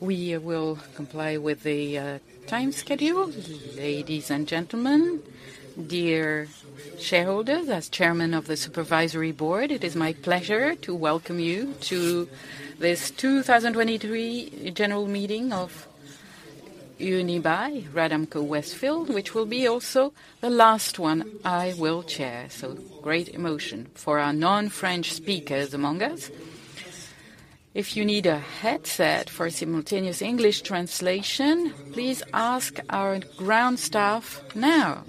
We will comply with the time schedule. Ladies and gentlemen, dear shareholders, as Chairman of the Supervisory Board, it is my pleasure to welcome you to this 2023 general meeting of Unibail-Rodamco-Westfield, which will be also the last one I will chair. Great emotion. For our non-French speakers among us, if you need a headset for simultaneous English translation, please ask our ground staff now.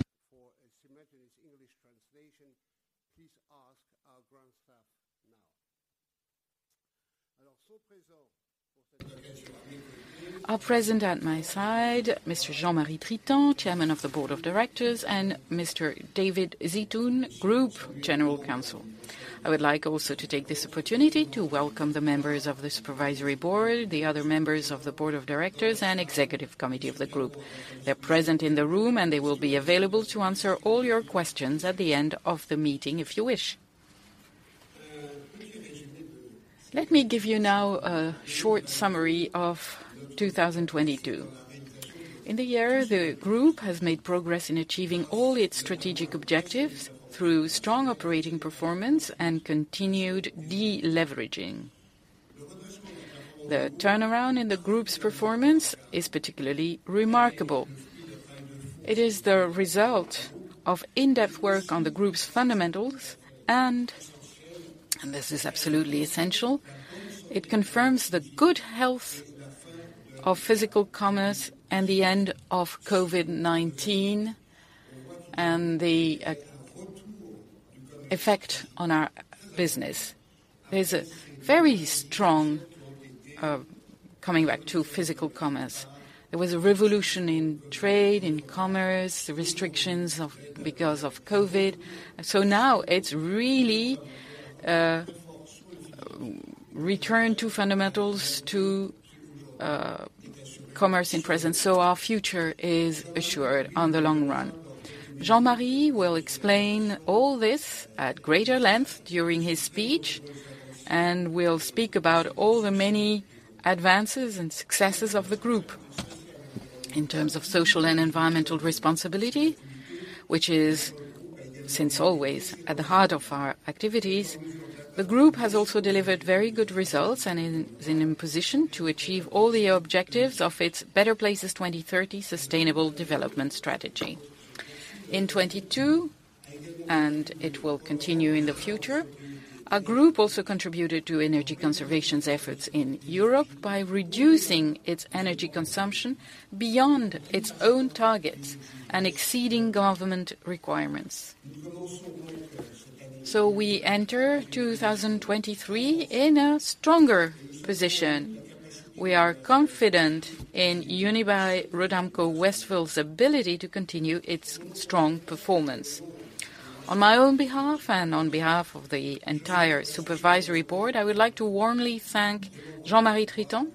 Are present at my side, Mr. Jean-Marie Tritant, Chairman of the Board of Directors, and Mr. David Zeitoun, Group General Counsel. I would like also to take this opportunity to welcome the members of the Supervisory Board, the other members of the Board of Directors and Executive Committee of the group. They're present in the room, and they will be available to answer all your questions at the end of the meeting if you wish. Let me give you now a short summary of 2022. In the year, the group has made progress in achieving all its strategic objectives through strong operating performance and continued deleveraging. The turnaround in the group's performance is particularly remarkable. It is the result of in-depth work on the group's fundamentals and this is absolutely essential, it confirms the good health of physical commerce and the end of COVID-19 and the effect on our business. Coming back to physical commerce. There was a revolution in trade, in commerce, the restrictions because of COVID. Now it's really return to fundamentals to commerce in presence, our future is assured on the long run. Jean-Marie will explain all this at greater length during his speech, will speak about all the many advances and successes of the group in terms of social and environmental responsibility, which is, since always, at the heart of our activities. The group has also delivered very good results and is in position to achieve all the objectives of its Better Places 2030 sustainable development strategy. In 22, it will continue in the future, our group also contributed to energy conservation's efforts in Europe by reducing its energy consumption beyond its own targets and exceeding government requirements. We enter 2023 in a stronger position. We are confident in Unibail-Rodamco-Westfield's ability to continue its strong performance. On my own behalf and on behalf of the entire supervisory board, I would like to warmly thank Jean-Marie Tritant,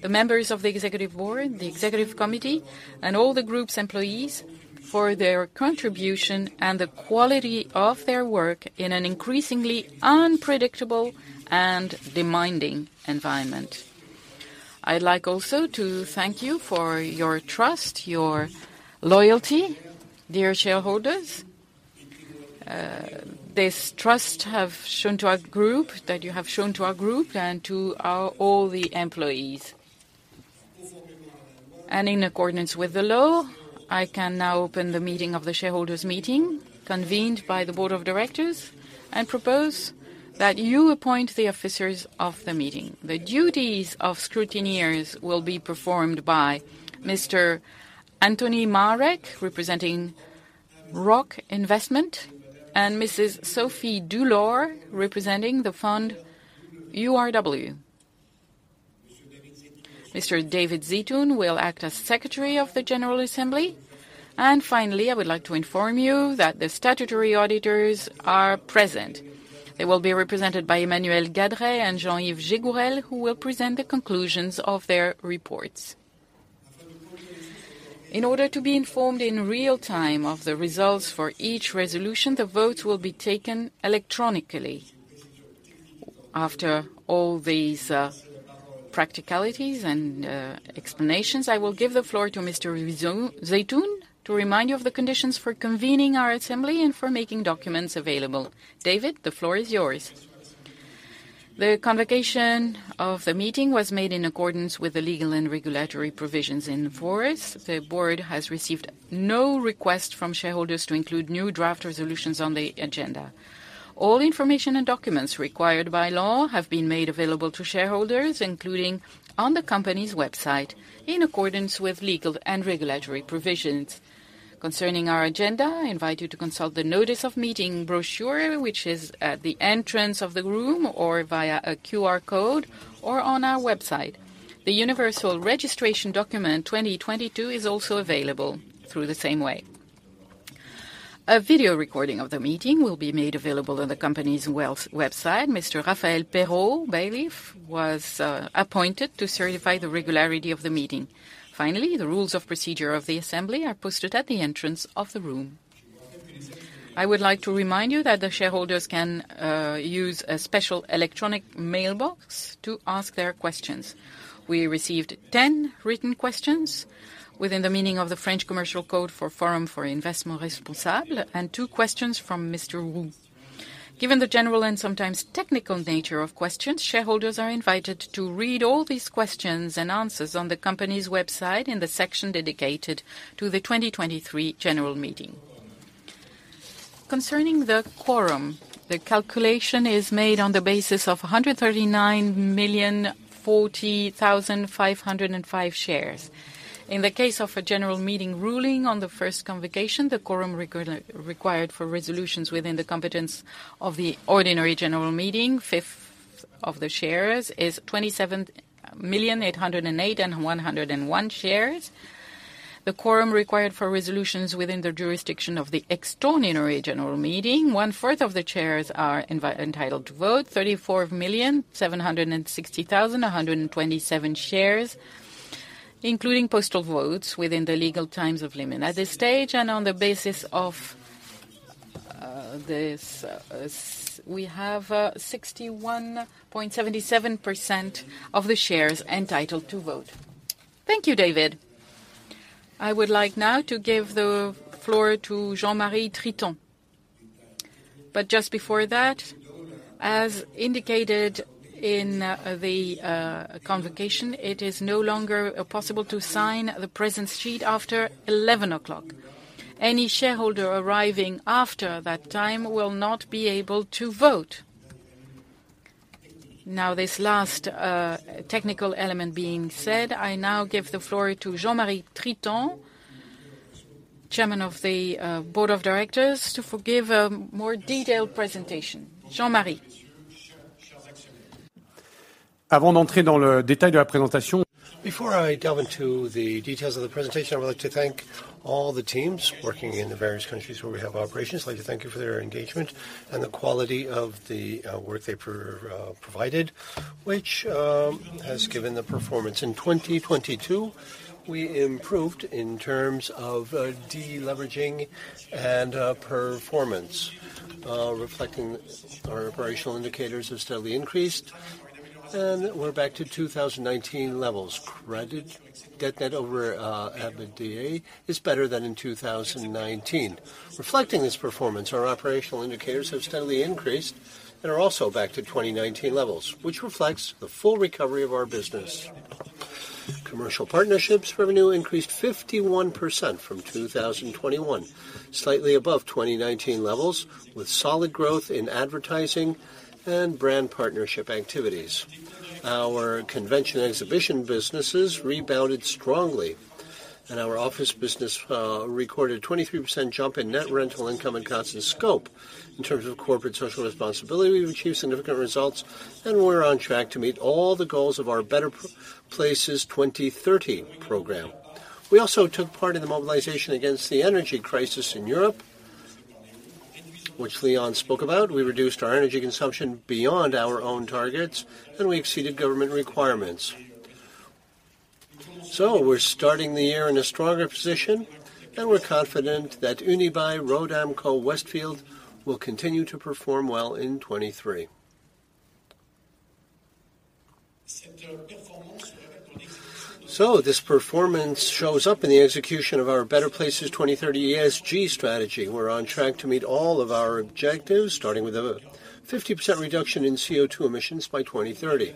the members of the executive board, the executive committee, and all the group's employees for their contribution and the quality of their work in an increasingly unpredictable and demanding environment. I'd like also to thank you for your trust, your loyalty, dear shareholders. This trust that you have shown to our group and to all the employees. In accordance with the law, I can now open the meeting of the shareholders meeting convened by the board of directors and propose that you appoint the officers of the meeting. The duties of scrutineers will be performed by Mr. Antoine Metzger, representing Rock Investment, and Mrs. Sophie Delépine, representing the fund URW. Mr. David Zeitoun will act as Secretary of the General Assembly. Finally, I would like to inform you that the statutory auditors are present. They will be represented by Emmanuel Gadrey and Jean-Yves Gégourel, who will present the conclusions of their reports. In order to be informed in real-time of the results for each resolution, the votes will be taken electronically. After all these practicalities and explanations, I will give the floor to Mr. Zeitoun to remind you of the conditions for convening our assembly and for making documents available. David, the floor is yours. The convocation of the meeting was made in accordance with the legal and regulatory provisions in force. The board has received no request from shareholders to include new draft resolutions on the agenda. All information and documents required by law have been made available to shareholders, including on the company's website, in accordance with legal and regulatory provisions. Concerning our agenda, I invite you to consult the notice of meeting brochure, which is at the entrance of the room or via a QR code or on our website. The Universal Registration Document 2022 is also available through the same way. A video recording of the meeting will be made available on the company's website. Mr. Raphael Perrot, bailiff, was appointed to certify the regularity of the meeting. Finally, the rules of procedure of the assembly are posted at the entrance of the room. I would like to remind you that the shareholders can use a special electronic mailbox to ask their questions. We received 10 written questions within the meaning of the French Commercial Code for Forum pour l'Investissement Responsable, and 2 questions from Mr. Wu. Given the general and sometimes technical nature of questions, shareholders are invited to read all these questions and answers on the company's website in the section dedicated to the 2023 general meeting. Concerning the quorum, the calculation is made on the basis of 139,040,505 shares. In the case of a general meeting ruling on the first convocation, the quorum required for resolutions within the competence of the ordinary general meeting, fifth of the shares, is 27,808,101 shares. The quorum required for resolutions within the jurisdiction of the extraordinary general meeting, one-fourth of the chairs are entitled to vote, 34,760,127 shares, including postal votes within the legal times of limit. At this stage, and on the basis of this, we have 61.77% of the shares entitled to vote. Thank you, David. I would like now to give the floor to Jean-Marie Tritant. Just before that, as indicated in the convocation, it is no longer possible to sign the presence sheet after 11:00 o'clock. Any shareholder arriving after that time will not be able to vote. This last technical element being said, I now give the floor to Jean-Marie Tritant, Chairman of the Board of Directors, to forgive a more detailed presentation. Jean-Marie. Before I delve into the details of the presentation, I would like to thank all the teams working in the various countries where we have operations. I'd like to thank you for their engagement and the quality of the work they provided, which has given the performance. In 2022, we improved in terms of deleveraging and performance, reflecting our operational indicators have steadily increased and we're back to 2019 levels. Credit debt net over EBITDA is better than in 2019. Reflecting this performance, our operational indicators have steadily increased and are also back to 2019 levels, which reflects the full recovery of our business. Commercial partnerships revenue increased 51% from 2021, slightly above 2019 levels, with solid growth in advertising and brand partnership activities. Our convention exhibition businesses rebounded strongly, our office business recorded a 23% jump in Net Rental Income and constant scope. In terms of corporate social responsibility, we've achieved significant results, we're on track to meet all the goals of our Better Places 2030 program. We also took part in the mobilization against the energy crisis in Europe, which Léon spoke about. We reduced our energy consumption beyond our own targets, we exceeded government requirements. We're starting the year in a stronger position, we're confident that Unibail-Rodamco-Westfield will continue to perform well in 2023. This performance shows up in the execution of our Better Places 2030 ESG strategy. We're on track to meet all of our objectives, starting with a 50% reduction in CO2 emissions by 2030.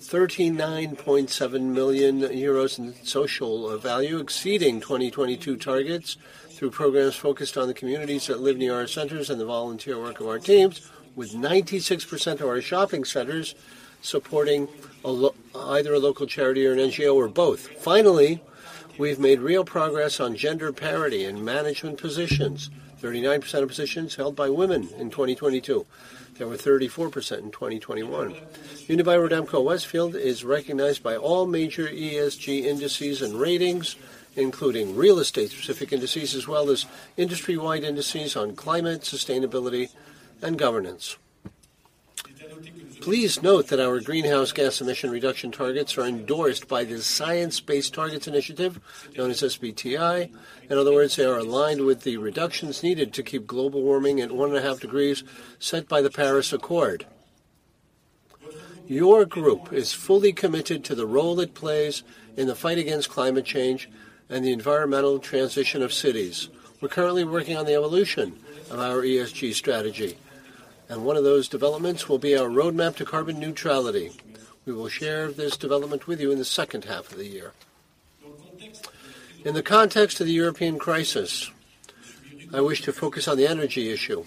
39.7 million euros in social value, exceeding 2022 targets through programs focused on the communities that live near our centers and the volunteer work of our teams, with 96% of our shopping centers supporting either a local charity or an NGO or both. Finally, we've made real progress on gender parity in management positions. 39% of positions held by women in 2022. There were 34% in 2021. Unibail-Rodamco-Westfield is recognized by all major ESG indices and ratings, including real estate specific indices, as well as industry-wide indices on climate, sustainability and governance. Please note that our greenhouse gas emission reduction targets are endorsed by the Science Based Targets initiative, known as SBTi. In other words, they are aligned with the reductions needed to keep global warming at 1.5 degrees set by the Paris Accord. Your group is fully committed to the role it plays in the fight against climate change and the environmental transition of cities. We're currently working on the evolution of our ESG strategy, one of those developments will be our roadmap to carbon neutrality. We will share this development with you in the second half of the year. In the context of the European crisis, I wish to focus on the energy issue.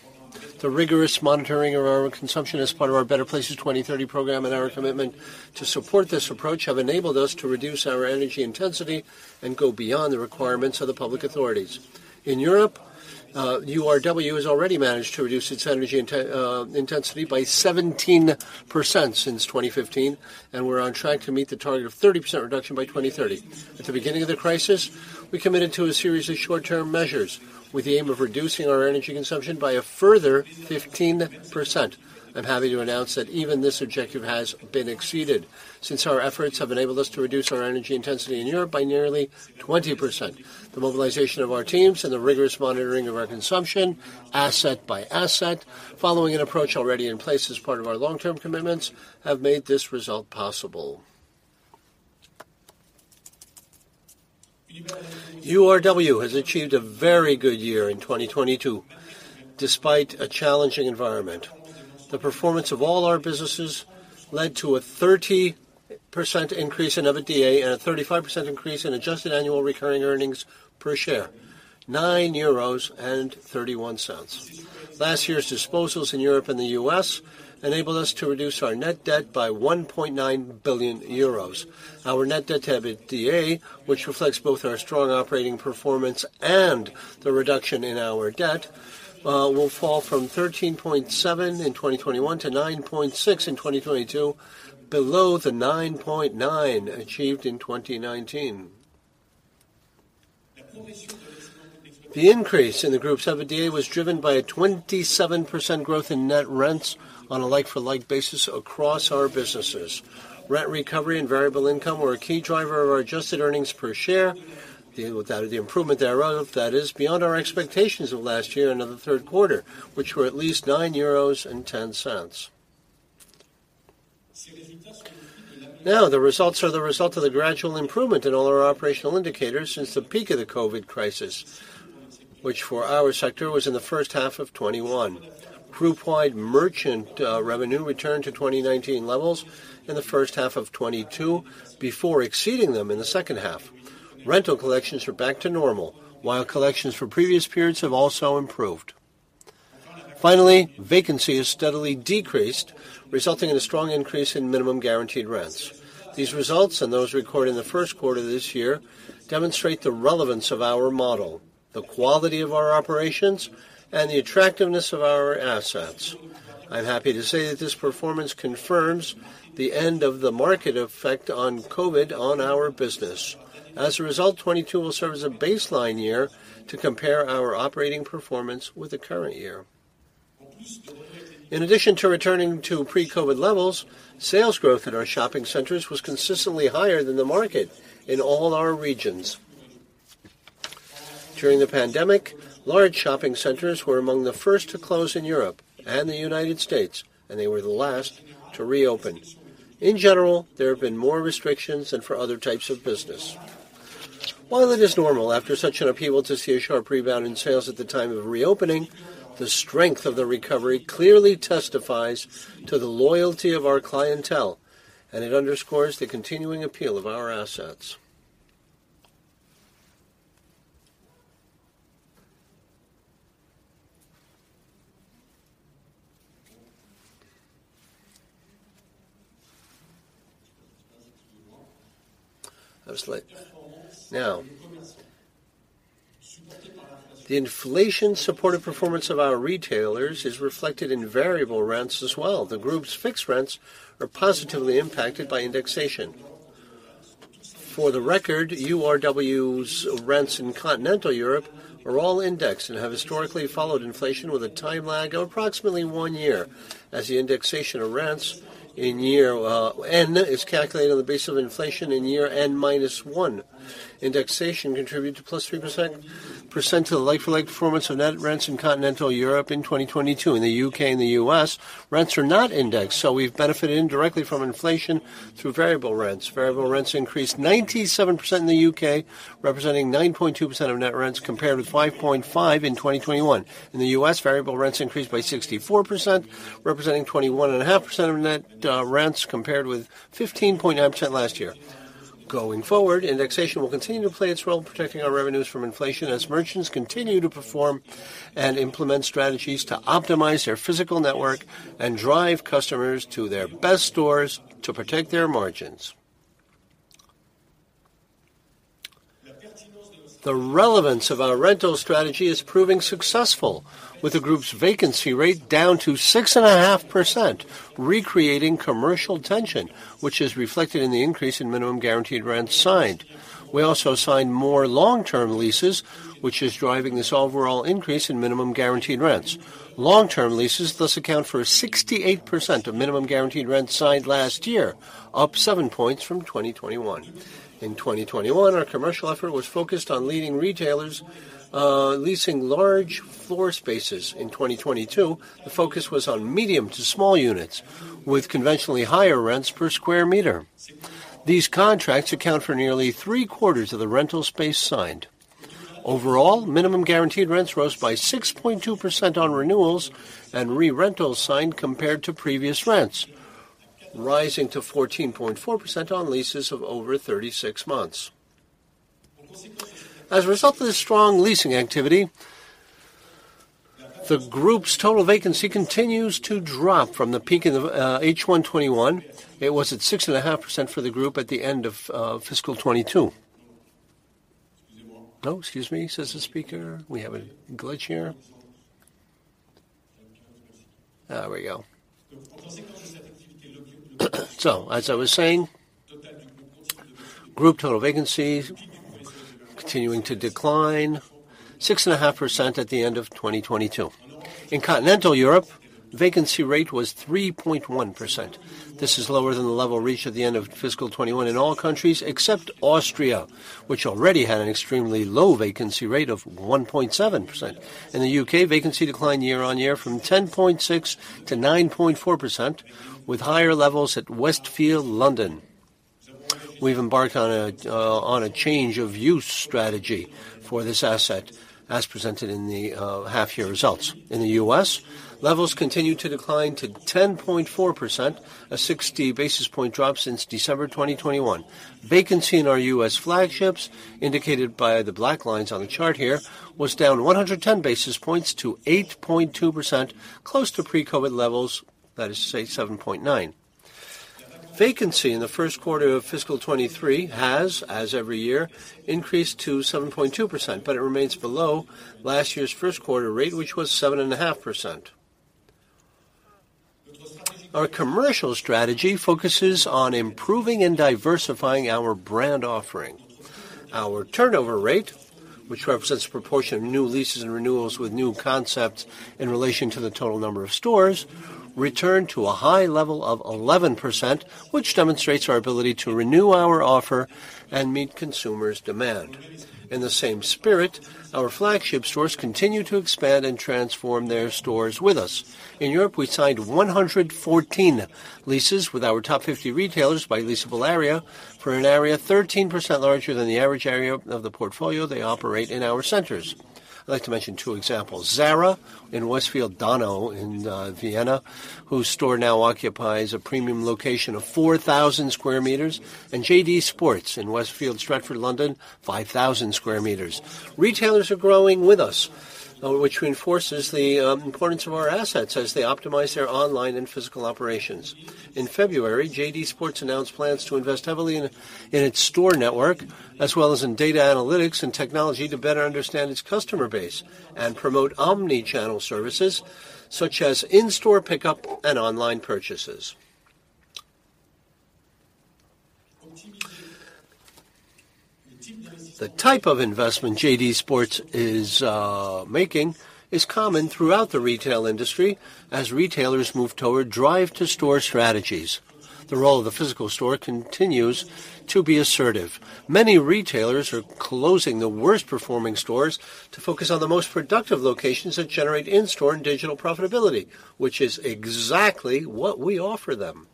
The rigorous monitoring of our consumption as part of our Better Places 2030 program and our commitment to support this approach have enabled us to reduce our energy intensity and go beyond the requirements of the public authorities. In Europe, URW has already managed to reduce its energy intensity by 17% since 2015, we're on track to meet the target of 30% reduction by 2030. At the beginning of the crisis, we committed to a series of short-term measures with the aim of reducing our energy consumption by a further 15%. I'm happy to announce that even this objective has been exceeded since our efforts have enabled us to reduce our energy intensity in Europe by nearly 20%. The mobilization of our teams and the rigorous monitoring of our consumption, asset by asset, following an approach already in place as part of our long-term commitments, have made this result possible. URW has achieved a very good year in 2022, despite a challenging environment. The performance of all our businesses led to a 30% increase in EBITDA and a 35% increase in adjusted annual recurring earnings per share, 9.31 euros. Last year's disposals in Europe and the U.S. enabled us to reduce our net debt by 1.9 billion euros. Our net debt to EBITDA, which reflects both our strong operating performance and the reduction in our debt, will fall from 13.7 in 2021 to 9.6 in 2022, below the 9.9 achieved in 2019. The increase in the group's EBITDA was driven by a 27% growth in net rents on a like-for-like basis across our businesses. Rent recovery and variable income were a key driver of our adjusted earnings per share. The improvement thereof, that is, beyond our expectations of last year and in the third quarter, which were at least 9.10 euros. The results are the result of the gradual improvement in all our operational indicators since the peak of the COVID crisis, which for our sector, was in the first half of 2021. Group-wide merchant revenue returned to 2019 levels in the first half of 2022, before exceeding them in the second half. Rental collections are back to normal, while collections from previous periods have also improved. Vacancy has steadily decreased, resulting in a strong increase in minimum guaranteed rents. These results, and those recorded in the first quarter of this year, demonstrate the relevance of our model, the quality of our operations, and the attractiveness of our assets. I'm happy to say that this performance confirms the end of the market effect on COVID on our business. As a result, 2022 will serve as a baseline year to compare our operating performance with the current year. In addition to returning to pre-COVID levels, sales growth at our shopping centers was consistently higher than the market in all our regions. During the pandemic, large shopping centers were among the first to close in Europe and the United States, and they were the last to reopen. In general, there have been more restrictions than for other types of business. While it is normal after such an upheaval to see a sharp rebound in sales at the time of reopening, the strength of the recovery clearly testifies to the loyalty of our clientele, and it underscores the continuing appeal of our assets. I was late. The inflation-supported performance of our retailers is reflected in variable rents as well. The group's fixed rents are positively impacted by indexation. For the record, URW's rents in continental Europe are all indexed and have historically followed inflation with a time lag of approximately one year. As the indexation of rents in year N is calculated on the basis of inflation in year N minus one. Indexation contributed to +3% to the like-for-like performance of net rents in continental Europe in 2022. In the UK and the US, rents are not indexed. We benefit indirectly from inflation through variable rents. Variable rents increased 97% in the UK, representing 9.2% of net rents, compared with 5.5% in 2021. In the US, variable rents increased by 64%, representing 21.5% of net rents, compared with 15.9% last year. Going forward, indexation will continue to play its role in protecting our revenues from inflation, as merchants continue to perform and implement strategies to optimize their physical network and drive customers to their best stores to protect their margins. The relevance of our rental strategy is proving successful, with the group's vacancy rate down to 6.5%, recreating commercial tension, which is reflected in the increase in minimum guaranteed rents signed. We also signed more long-term leases, which is driving this overall increase in minimum guaranteed rents. Long-term leases thus account for 68% of minimum guaranteed rents signed last year, up 7 points from 2021. In 2021, our commercial effort was focused on leading retailers, leasing large floor spaces. In 2022, the focus was on medium to small units with conventionally higher rents per square meter. These contracts account for nearly three-quarters of the rental space signed. Overall, minimum guaranteed rents rose by 6.2% on renewals and re-rentals signed compared to previous rents, rising to 14.4% on leases of over 36 months. As a result of the strong leasing activity, the group's total vacancy continues to drop from the peak of the H1 2021. It was at 6.5% for the group at the end of fiscal 2022. Oh, excuse me, says the speaker. We have a glitch here. There we go. As I was saying, group total vacancy continuing to decline, 6.5% at the end of 2022. In continental Europe, vacancy rate was 3.1%. This is lower than the level reached at the end of fiscal 21 in all countries, except Austria, which already had an extremely low vacancy rate of 1.7%. In the U.K., vacancy declined year-over-year from 10.6% to 9.4%, with higher levels at Westfield, London. We've embarked on a change of use strategy for this asset, as presented in the half-year results. In the U.S., levels continue to decline to 10.4%, a 60 basis point drop since December 2021. Vacancy in our U.S. flagships, indicated by the black lines on the chart here, was down 110 basis points to 8.2%, close to pre-COVID levels. That is to say 7.9%. Vacancy in the first quarter of fiscal 2023 has, as every year, increased to 7.2%. It remains below last year's first quarter rate, which was 7.5%. Our commercial strategy focuses on improving and diversifying our brand offering. Our turnover rate, which represents proportion of new leases and renewals with new concepts in relation to the total number of stores, returned to a high level of 11%, which demonstrates our ability to renew our offer and meet consumers' demand. In the same spirit, our flagship stores continue to expand and transform their stores with us. In Europe, we signed 114 leases with our top 50 retailers by leasable area, for an area 13% larger than the average area of the portfolio they operate in our centers. I'd like to mention two examples. Zara in Westfield Donau in Vienna, whose store now occupies a premium location of 4,000 square meters, and JD Sports in Westfield Stratford, London, 5,000 square meters. Retailers are growing with us, which reinforces the importance of our assets as they optimize their online and physical operations. In February, JD Sports announced plans to invest heavily in its store network, as well as in data analytics and technology to better understand its customer base and promote omnichannel services, such as in-store pickup and online purchases. The type of investment JD Sports is making is common throughout the retail industry as retailers move toward drive-to-store strategies. The role of the physical store continues to be assertive. Many retailers are closing the worst performing stores to focus on the most productive locations that generate in-store and digital profitability, which is exactly what we offer them.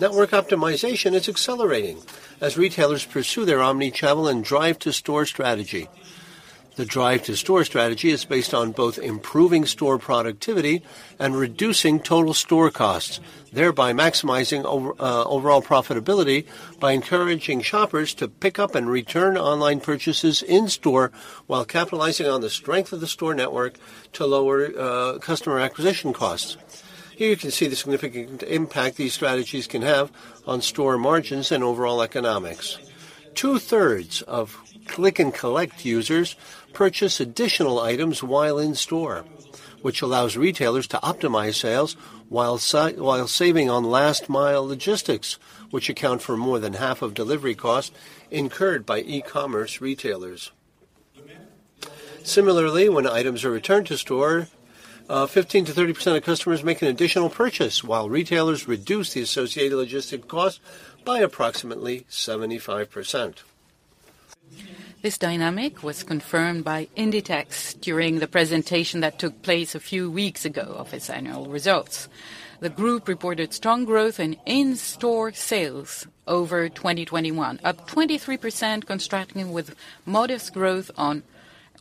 Network optimization is accelerating as retailers pursue their omnichannel and drive-to-store strategy. The drive-to-store strategy is based on both improving store productivity and reducing total store costs, thereby maximizing overall profitability by encouraging shoppers to pick up and return online purchases in store while capitalizing on the strength of the store network to lower customer acquisition costs. Here you can see the significant impact these strategies can have on store margins and overall economics. Two-thirds of click-and-collect users purchase additional items while in store, which allows retailers to optimize sales while saving on last mile logistics, which account for more than half of delivery costs incurred by e-commerce retailers. Similarly, when items are returned to store, 15%-30% of customers make an additional purchase while retailers reduce the associated logistic cost by approximately 75%. This dynamic was confirmed by Inditex during the presentation that took place a few weeks ago of its annual results. The group reported strong growth in in-store sales over 2021, up 23% constructing with modest growth on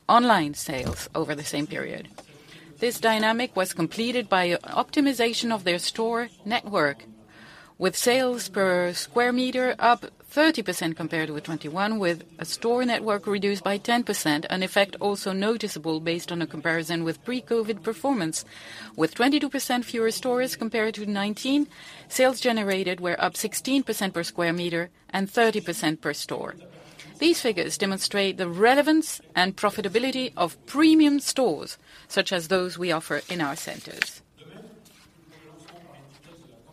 online sales over the same period. This dynamic was completed by optimization of their store network, with sales per square meter up 30% compared to a 2021, with a store network reduced by 10%, an effect also noticeable based on a comparison with pre-COVID performance. With 22% fewer stores compared to 2019, sales generated were up 16% per square meter and 30% per store. These figures demonstrate the relevance and profitability of premium stores such as those we offer in our centers.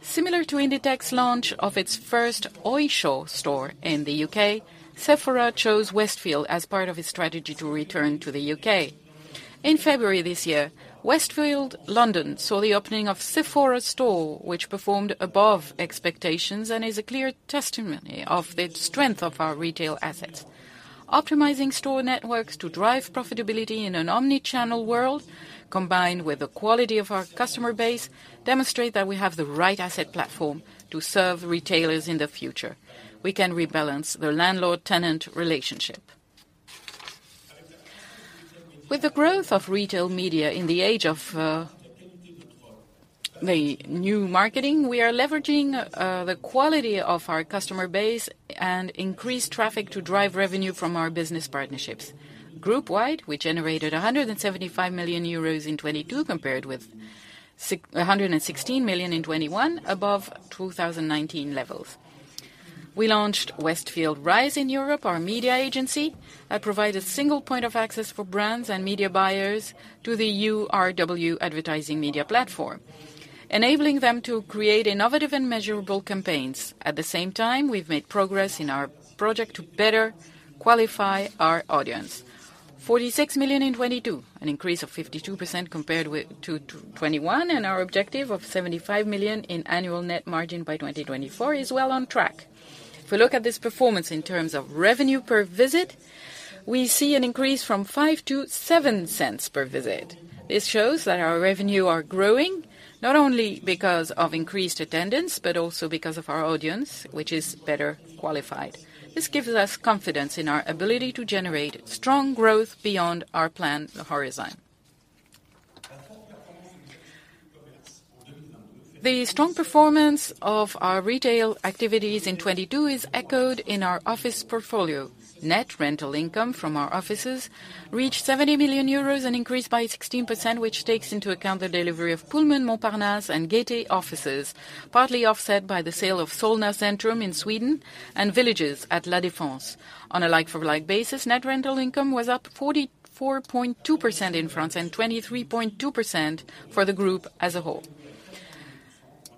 Similar to Inditex launch of its first Oysho store in the UK, Sephora chose Westfield as part of its strategy to return to the UK. In February this year, Westfield London saw the opening of Sephora store, which performed above expectations and is a clear testimony of the strength of our retail assets. Optimizing store networks to drive profitability in an omnichannel world, combined with the quality of our customer base, demonstrate that we have the right asset platform to serve retailers in the future. We can rebalance the landlord-tenant relationship. With the growth of retail media in the age of the new marketing, we are leveraging the quality of our customer base and increase traffic to drive revenue from our business partnerships. Group wide, we generated 175 million euros in 2022 compared with 116 million in 2021 above 2019 levels. We launched Westfield Rise in Europe, our media agency, that provide a single point of access for brands and media buyers to the URW advertising media platform, enabling them to create innovative and measurable campaigns. At the same time, we've made progress in our project to better qualify our audience. 46 million in 2022, an increase of 52% compared with 2021, and our objective of 75 million in annual net margin by 2024 is well on track. If we look at this performance in terms of revenue per visit, we see an increase from 0.05 to 0.07 per visit. This shows that our revenue are growing, not only because of increased attendance, but also because of our audience, which is better qualified. This gives us confidence in our ability to generate strong growth beyond our plan horizon. The strong performance of our retail activities in 2022 is echoed in our office portfolio. Net rental income from our offices reached 70 million euros, an increase by 16%, which takes into account the delivery of Pullman Montparnasse and Ateliers Gaîté offices, partly offset by the sale of Solna Centrum in Sweden and Villages at La Défense. On a like-for-like basis, net rental income was up 44.2% in France and 23.2% for the group as a whole.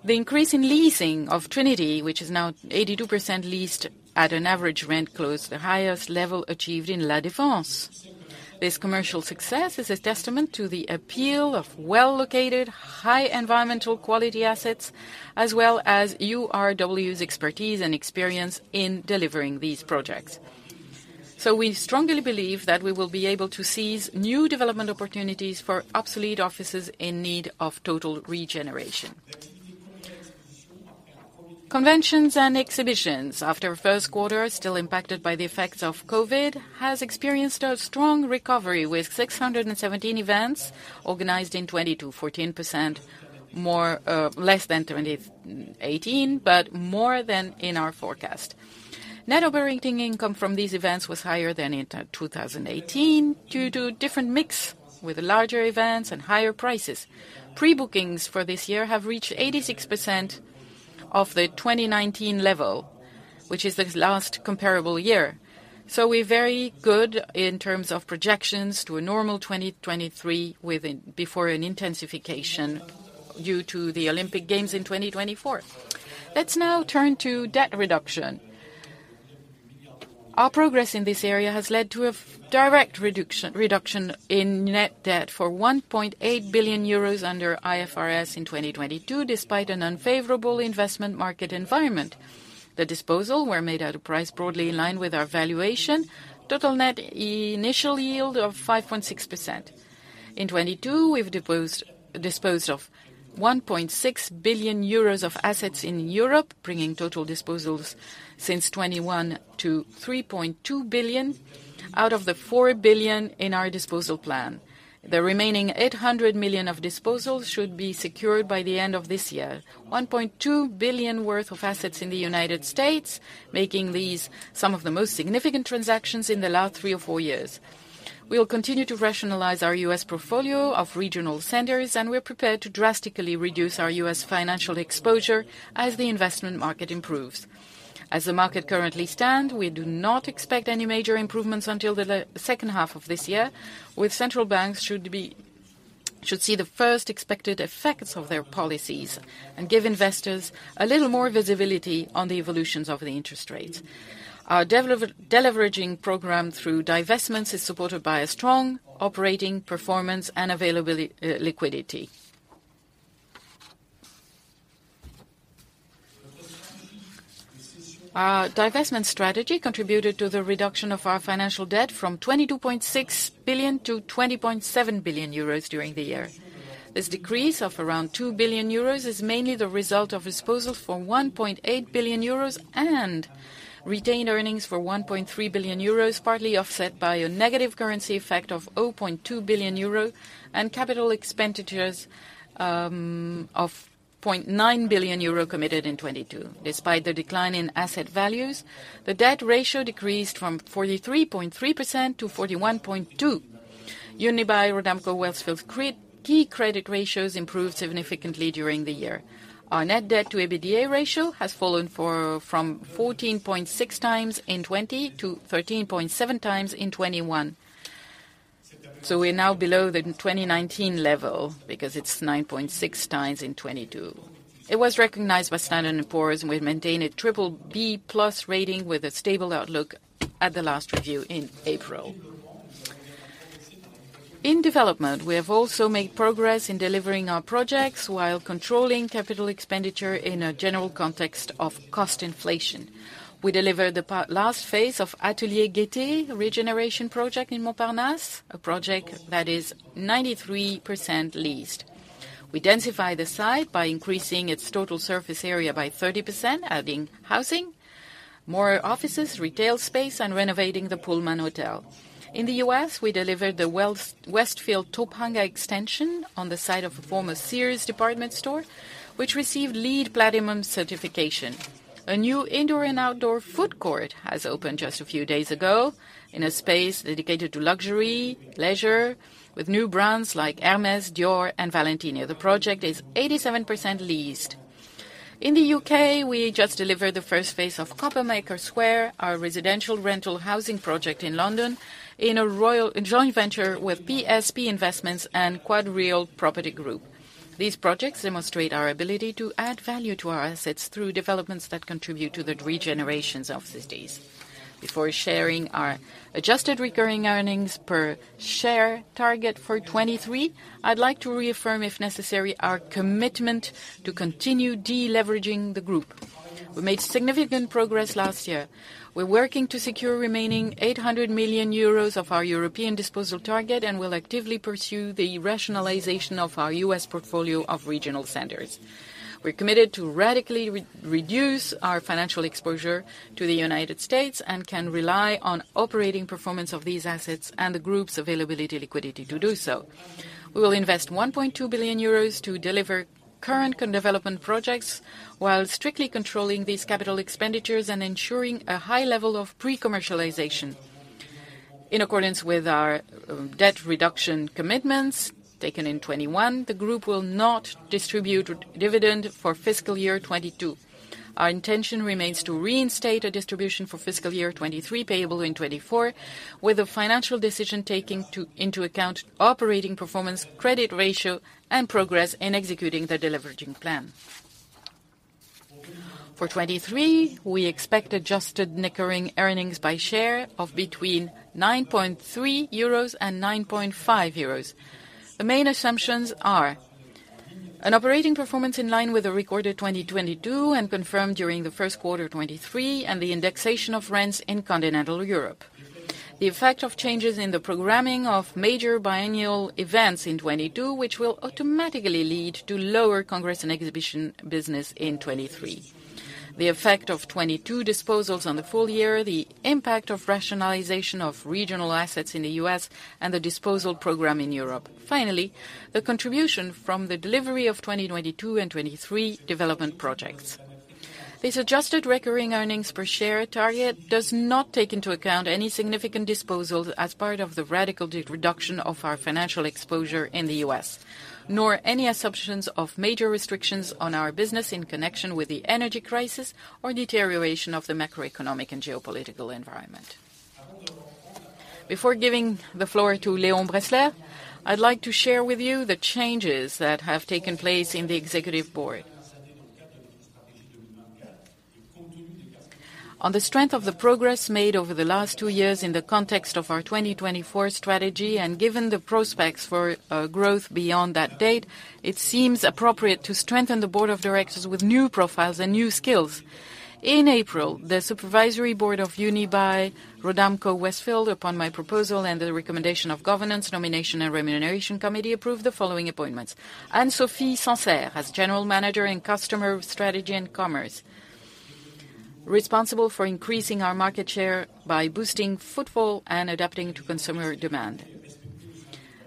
The increase in leasing of Trinity, which is now 82% leased at an average rent close to the highest level achieved in La Défense. This commercial success is a testament to the appeal of well-located, high environmental quality assets, as well as URW's expertise and experience in delivering these projects. We strongly believe that we will be able to seize new development opportunities for obsolete offices in need of total regeneration. Conventions and exhibitions, after first quarter still impacted by the effects of COVID, has experienced a strong recovery with 617 events organized in 2022, 14% more, less than 2018, but more than in our forecast. Net operating income from these events was higher than in 2018 due to different mix, with larger events and higher prices. Pre-bookings for this year have reached 86% of the 2019 level, which is the last comparable year. We're very good in terms of projections to a normal 2023 within, before an intensification due to the Olympic Games in 2024. Let's now turn to debt reduction. Our progress in this area has led to a direct reduction in net debt for 1.8 billion euros under IFRS in 2022, despite an unfavorable investment market environment. The disposal were made at a price broadly in line with our valuation. Total net initial yield of 5.6%. In 2022, we've disposed of 1.6 billion euros of assets in Europe, bringing total disposals since 2021 to 3.2 billion, out of the 4 billion in our disposal plan. The remaining 800 million of disposals should be secured by the end of this year. $1.2 billion worth of assets in the U.S., making these some of the most significant transactions in the last three or four years. We will continue to rationalize our U.S. portfolio of regional centers, and we're prepared to drastically reduce our U.S. financial exposure as the investment market improves. As the market currently stand, we do not expect any major improvements until the second half of this year, with central banks should see the first expected effects of their policies and give investors a little more visibility on the evolutions of the interest rates. Our deleveraging program through divestments is supported by a strong operating performance and liquidity. Our divestment strategy contributed to the reduction of our financial debt from 22.6 billion to 20.7 billion euros during the year. This decrease of around 2 billion euros is mainly the result of disposals for 1.8 billion euros and retained earnings for 1.3 billion euros, partly offset by a negative currency effect of 0.2 billion euros and capital expenditures of 0.9 billion euros committed in 2022. Despite the decline in asset values, the debt ratio decreased from 43.3% to 41.2%. Unibail-Rodamco-Westfield's key credit ratios improved significantly during the year. Our net debt to EBITDA ratio has fallen from 14.6 times in 2020 to 13.7 times in 2021. We're now below the 2019 level because it's 9.6 times in 2022. It was recognized by Standard & Poor's, and we've maintained a BBB+ rating with a stable outlook at the last review in April. In development, we have also made progress in delivering our projects while controlling capital expenditure in a general context of cost inflation. We delivered the last phase of Ateliers Gaîté regeneration project in Montparnasse, a project that is 93% leased. We densify the site by increasing its total surface area by 30%, adding housing, more offices, retail space, and renovating the Pullman hotel. In the U.S., we delivered the Westfield Topanga extension on the site of a former Sears department store, which received LEED Platinum certification. A new indoor and outdoor food court has opened just a few days ago in a space dedicated to luxury, leisure, with new brands like Hermès, Dior, and Valentino. The project is 87% leased. In the U.K., we just delivered the first phase of Coppermaker Square, our residential rental housing project in London, in a royal, joint venture with PSP Investments and QuadReal Property Group. These projects demonstrate our ability to add value to our assets through developments that contribute to the regenerations of cities. Before sharing our adjusted recurring earnings per share target for 2023, I'd like to reaffirm, if necessary, our commitment to continue deleveraging the group. We made significant progress last year. We're working to secure remaining 800 million euros of our European disposal target, and we'll actively pursue the rationalization of our U.S. portfolio of regional centers. We're committed to radically reduce our financial exposure to the United States, and can rely on operating performance of these assets and the group's availability liquidity to do so. We will invest 1.2 billion euros to deliver current development projects, while strictly controlling these capital expenditures and ensuring a high level of pre-commercialization. In accordance with our debt reduction commitments taken in 2021, the group will not distribute dividend for fiscal year 2022. Our intention remains to reinstate a distribution for fiscal year 2023, payable in 2024, with a financial decision taking into account operating performance, credit ratio, and progress in executing the deleveraging plan. For 2023, we expect adjusted recurring earnings per share of between 9.3 euros and 9.5 euros. The main assumptions are: an operating performance in line with the recorded 2022, and confirmed during the first quarter of 2023, and the indexation of rents in continental Europe. The effect of changes in the programming of major biennial events in 2022, which will automatically lead to lower congress and exhibition business in 2023. The effect of 2022 disposals on the full year, the impact of rationalization of regional assets in the U.S., and the disposal program in Europe. Finally, the contribution from the delivery of 2022 and 2023 development projects. This adjusted recurring earnings per share target does not take into account any significant disposals as part of the radical de-reduction of our financial exposure in the U.S., nor any assumptions of major restrictions on our business in connection with the energy crisis or deterioration of the macroeconomic and geopolitical environment. Before giving the floor to Léon Bressler, I'd like to share with you the changes that have taken place in the executive board. On the strength of the progress made over the last 2 years in the context of our 2024 strategy, and given the prospects for growth beyond that date, it seems appropriate to strengthen the board of directors with new profiles and new skills. In April, the supervisory board of Unibail-Rodamco-Westfield, upon my proposal and the recommendation of governance, nomination, and remuneration committee, approved the following appointments: Anne-Sophie Sancerre as General Manager in Customer Strategy and Commerce, responsible for increasing our market share by boosting footfall and adapting to consumer demand.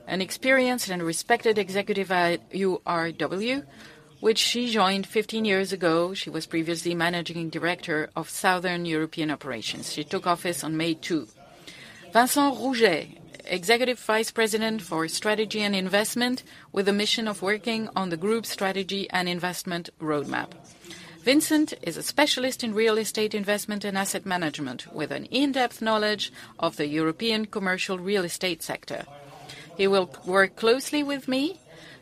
An experienced and respected executive at URW, which she joined 15 years ago. She was previously Managing Director of Southern European Operations. She took office on May 2. Vincent Rouget, Executive Vice President for Strategy and Investment, with a mission of working on the group strategy and investment roadmap. Vincent is a specialist in real estate investment and asset management, with an in-depth knowledge of the European commercial real estate sector. He will work closely with me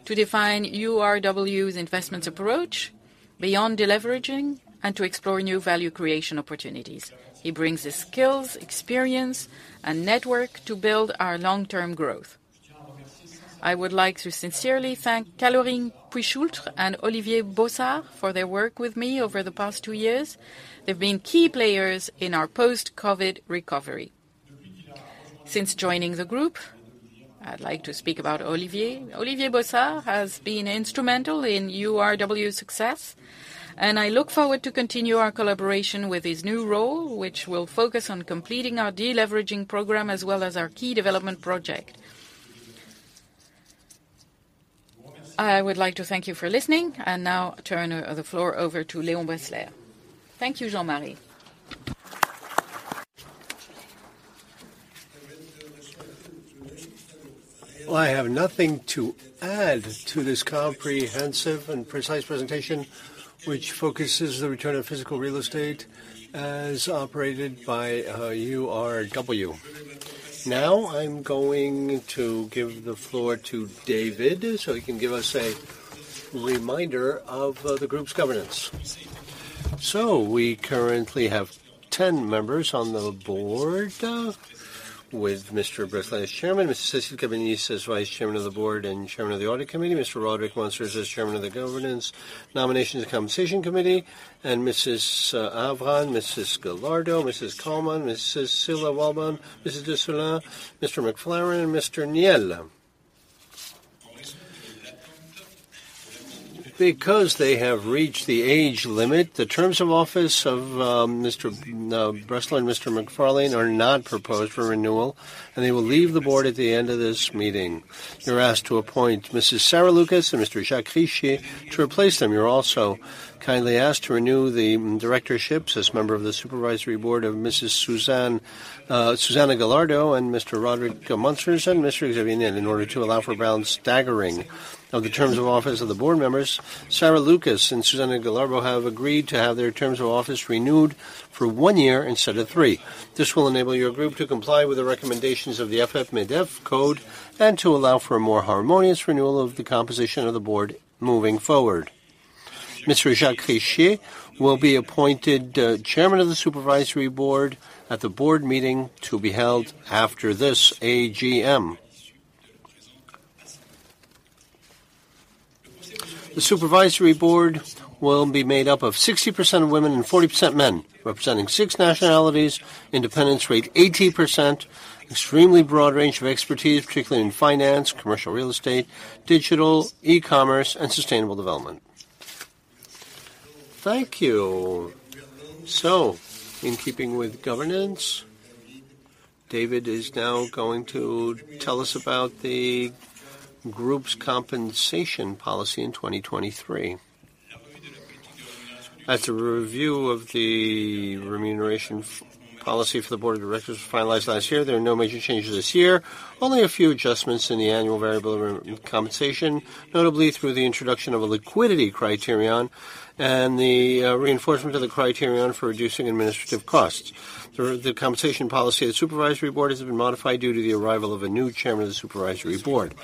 to define URW's investments approach beyond deleveraging, and to explore new value creation opportunities. He brings the skills, experience, and network to build our long-term growth. I would like to sincerely thank Caroline Puechoultres and Olivier Bossard for their work with me over the past two years. They've been key players in our post-COVID-19 recovery. Since joining the group, I'd like to speak about Olivier. Olivier Bossard has been instrumental in URW's success, and I look forward to continue our collaboration with his new role, which will focus on completing our deleveraging program as well as our key development project. I would like to thank you for listening, and now turn the floor over to Léon Bressler. Thank you, Jean-Marie. Well, I have nothing to add to this comprehensive and precise presentation, which focuses the return on physical real estate as operated by URW. I'm going to give the floor to David, so he can give us a reminder of the group's governance. We currently have 10 members on the board, with Mr. Bressler as Chairman, Cécile Cabanis as Vice Chairman of the board and Chairman of the Audit Committee, Mr. Roderick Munsters as Chairman of the Governance, Nominations, and Compensation Committee, and Mrs. Avran, Mrs. Gallardo, Mrs. Coleman, Mrs. Sille Walbaum, Mrs. de Solages, Mr. McFarlane, and Mr. Niel. Because they have reached the age limit, the terms of office of Mr. Bressler and Mr. McFarlane are not proposed for renewal, and they will leave the board at the end of this meeting. You're asked to appoint Mrs. Sara Lucas and Mr. Jacques Richier to replace them. You're also kindly asked to renew the directorships as member of the Supervisory Board of Mrs. Susanna Gallardo and Mr. Roderick Munsters and Mr. Xavier Niel in order to allow for round staggering of the terms of office of the board members. Sarah Lucas and Susanna Gallardo have agreed to have their terms of office renewed for one year instead of three. This will enable your group to comply with the recommendations of the AFEP-MEDEF Code and to allow for a more harmonious renewal of the composition of the board moving forward. Mr. Jacques Richier will be appointed Chairman of the Supervisory Board at the board meeting to be held after this AGM. The Supervisory Board will be made up of 60% women and 40% men, representing six nationalities. Independence rate 80%. Extremely broad range of expertise, particularly in finance, commercial real estate, digital, e-commerce, and sustainable development. Thank you. In keeping with governance, David is now going to tell us about the group's compensation policy in 2023. As a review of the remuneration policy for the board of directors was finalized last year. There are no major changes this year, only a few adjustments in the annual variable compensation, notably through the introduction of a liquidity criterion and the reinforcement of the criterion for reducing administrative costs. Through the compensation policy, the supervisory board has been modified due to the arrival of a new chairman of the supervisory board.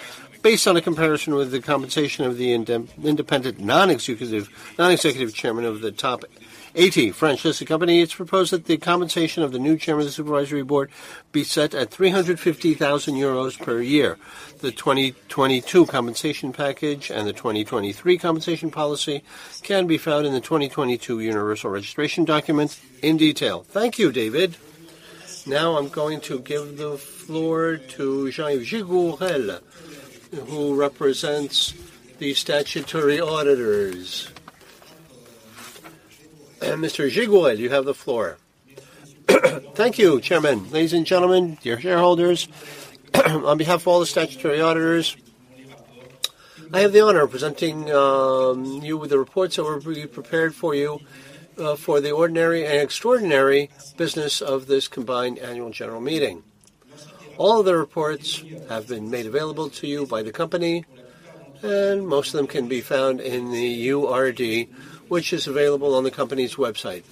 Based on a comparison with the compensation of the independent, non-executive Chairman of the top 80 French-listed company, it's proposed that the compensation of the new Chairman of the Supervisory Board be set at 350,000 euros per year. The 2022 compensation package and the 2023 compensation policy can be found in the 2022 Universal Registration Document in detail. Thank you, David Zeitoun. I'm going to give the floor to Jean Gégourel, who represents the Statutory Auditors. Mr. Giguet, you have the floor. Thank you, Chairman. Ladies and gentlemen, dear shareholders, on behalf of all the Statutory Auditors, I have the honor of presenting you with the reports that were prepared for you for the ordinary and extraordinary business of this combined Annual General Meeting. All of the reports have been made available to you by the company, and most of them can be found in the URD, which is available on the company's website.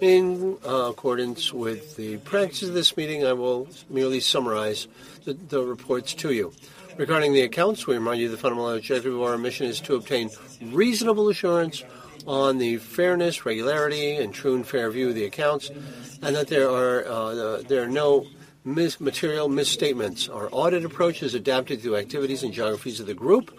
In accordance with the practice of this meeting, I will merely summarize the reports to you. Regarding the accounts, we remind you the fundamental objective of our mission is to obtain reasonable assurance on the fairness, regularity, and true and fair view of the accounts, and that there are no material misstatements. Our audit approach is adapted through activities and geographies of the group.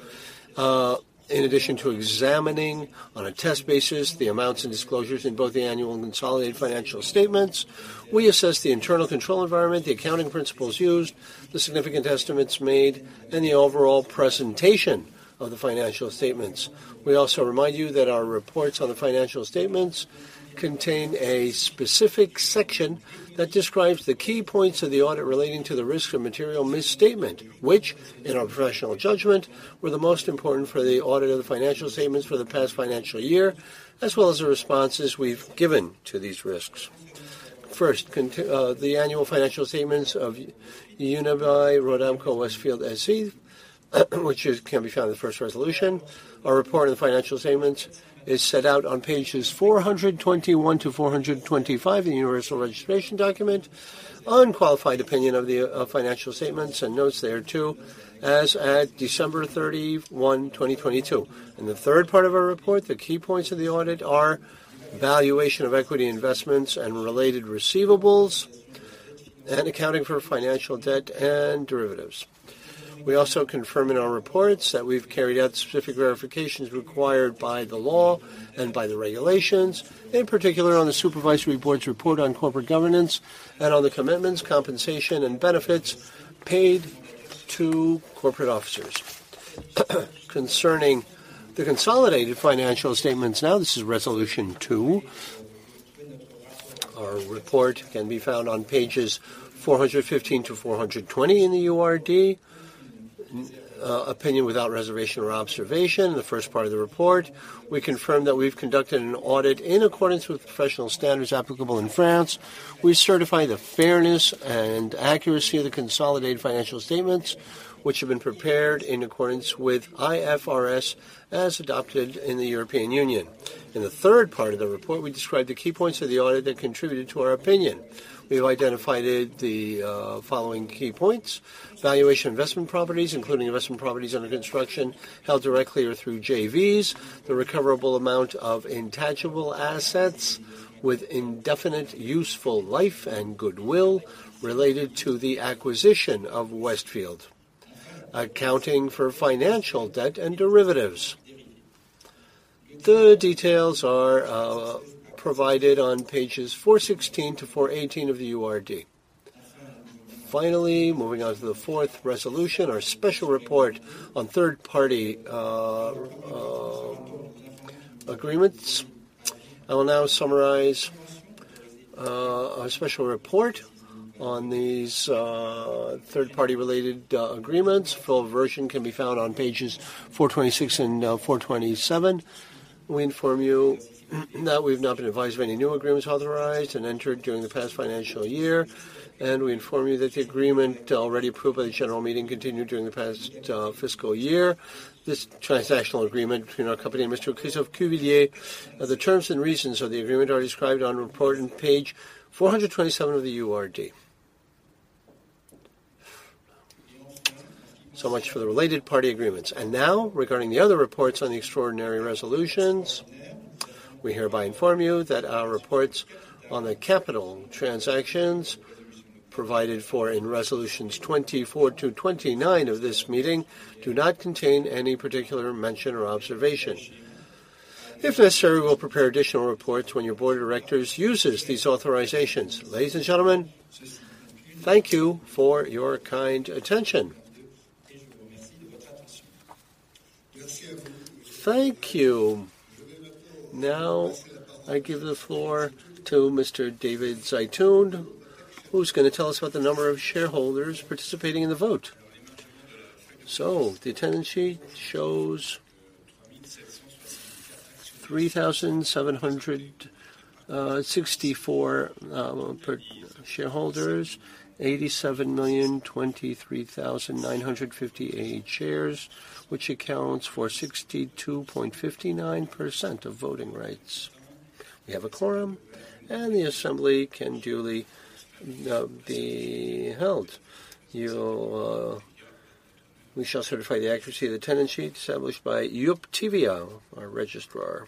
In addition to examining, on a test basis, the amounts and disclosures in both the annual and consolidated financial statements, we assess the internal control environment, the accounting principles used, the significant estimates made, and the overall presentation of the financial statements. We also remind you that our reports on the financial statements contain a specific section that describes the key points of the audit relating to the risk of material misstatement, which, in our professional judgment, were the most important for the audit of the financial statements for the past financial year, as well as the responses we've given to these risks. First, the annual financial statements of Unibail-Rodamco-Westfield SE can be found in the first resolution. Our report on the financial statements is set out on pages 421 to 425 of the Universal Registration Document. Unqualified opinion of the financial statements and notes thereto as at December 31, 2022. In the third part of our report, the key points of the audit are valuation of equity investments and related receivables and accounting for financial debt and derivatives. We also confirm in our reports that we've carried out specific verifications required by the law and by the regulations, in particular on the supervisory board's report on corporate governance and on the commitments, compensation, and benefits paid to corporate officers. Concerning the consolidated financial statements, now this is resolution 2. Our report can be found on pages 415 to 420 in the URD. Opinion without reservation or observation, the first part of the report. We confirm that we've conducted an audit in accordance with professional standards applicable in France. We certify the fairness and accuracy of the consolidated financial statements which have been prepared in accordance with IFRS as adopted in the European Union. In the third part of the report, we describe the key points of the audit that contributed to our opinion. We have identified it, the following key points: valuation investment properties, including investment properties under construction, held directly or through JVs, the recoverable amount of intangible assets with indefinite useful life and goodwill related to the acquisition of Westfield, accounting for financial debt and derivatives. Further details are provided on pages 416 to 418 of the URD. Finally, moving on to the fourth resolution, our special report on third-party agreements. I will now summarize our special report on these third-party related agreements. Full version can be found on pages 426 and 427. We inform you that we've not been advised of any new agreements authorized and entered during the past financial year. We inform you that the agreement already approved by the general meeting continued during the past fiscal year. This transactional agreement between our company and Mr. Cuq of QVA, the terms and reasons of the agreement are described on report in page 427 of the URD. Much for the related party agreements. Now, regarding the other reports on the extraordinary resolutions, we hereby inform you that our reports on the capital transactions provided for in resolutions 24 to 29 of this meeting do not contain any particular mention or observation. If necessary, we'll prepare additional reports when your board of directors uses these authorizations. Ladies and gentlemen, thank you for your kind attention. Thank you. Now, I give the floor to Mr. David Zeitoun, who's gonna tell us about the number of shareholders participating in the vote. The attendance sheet shows 3,764 shareholders. 87,023,958 shares, which accounts for 62.59% of voting rights. We have a quorum. The assembly can duly be held. We shall certify the accuracy of the attendance sheet established by Uptevia, our registrar.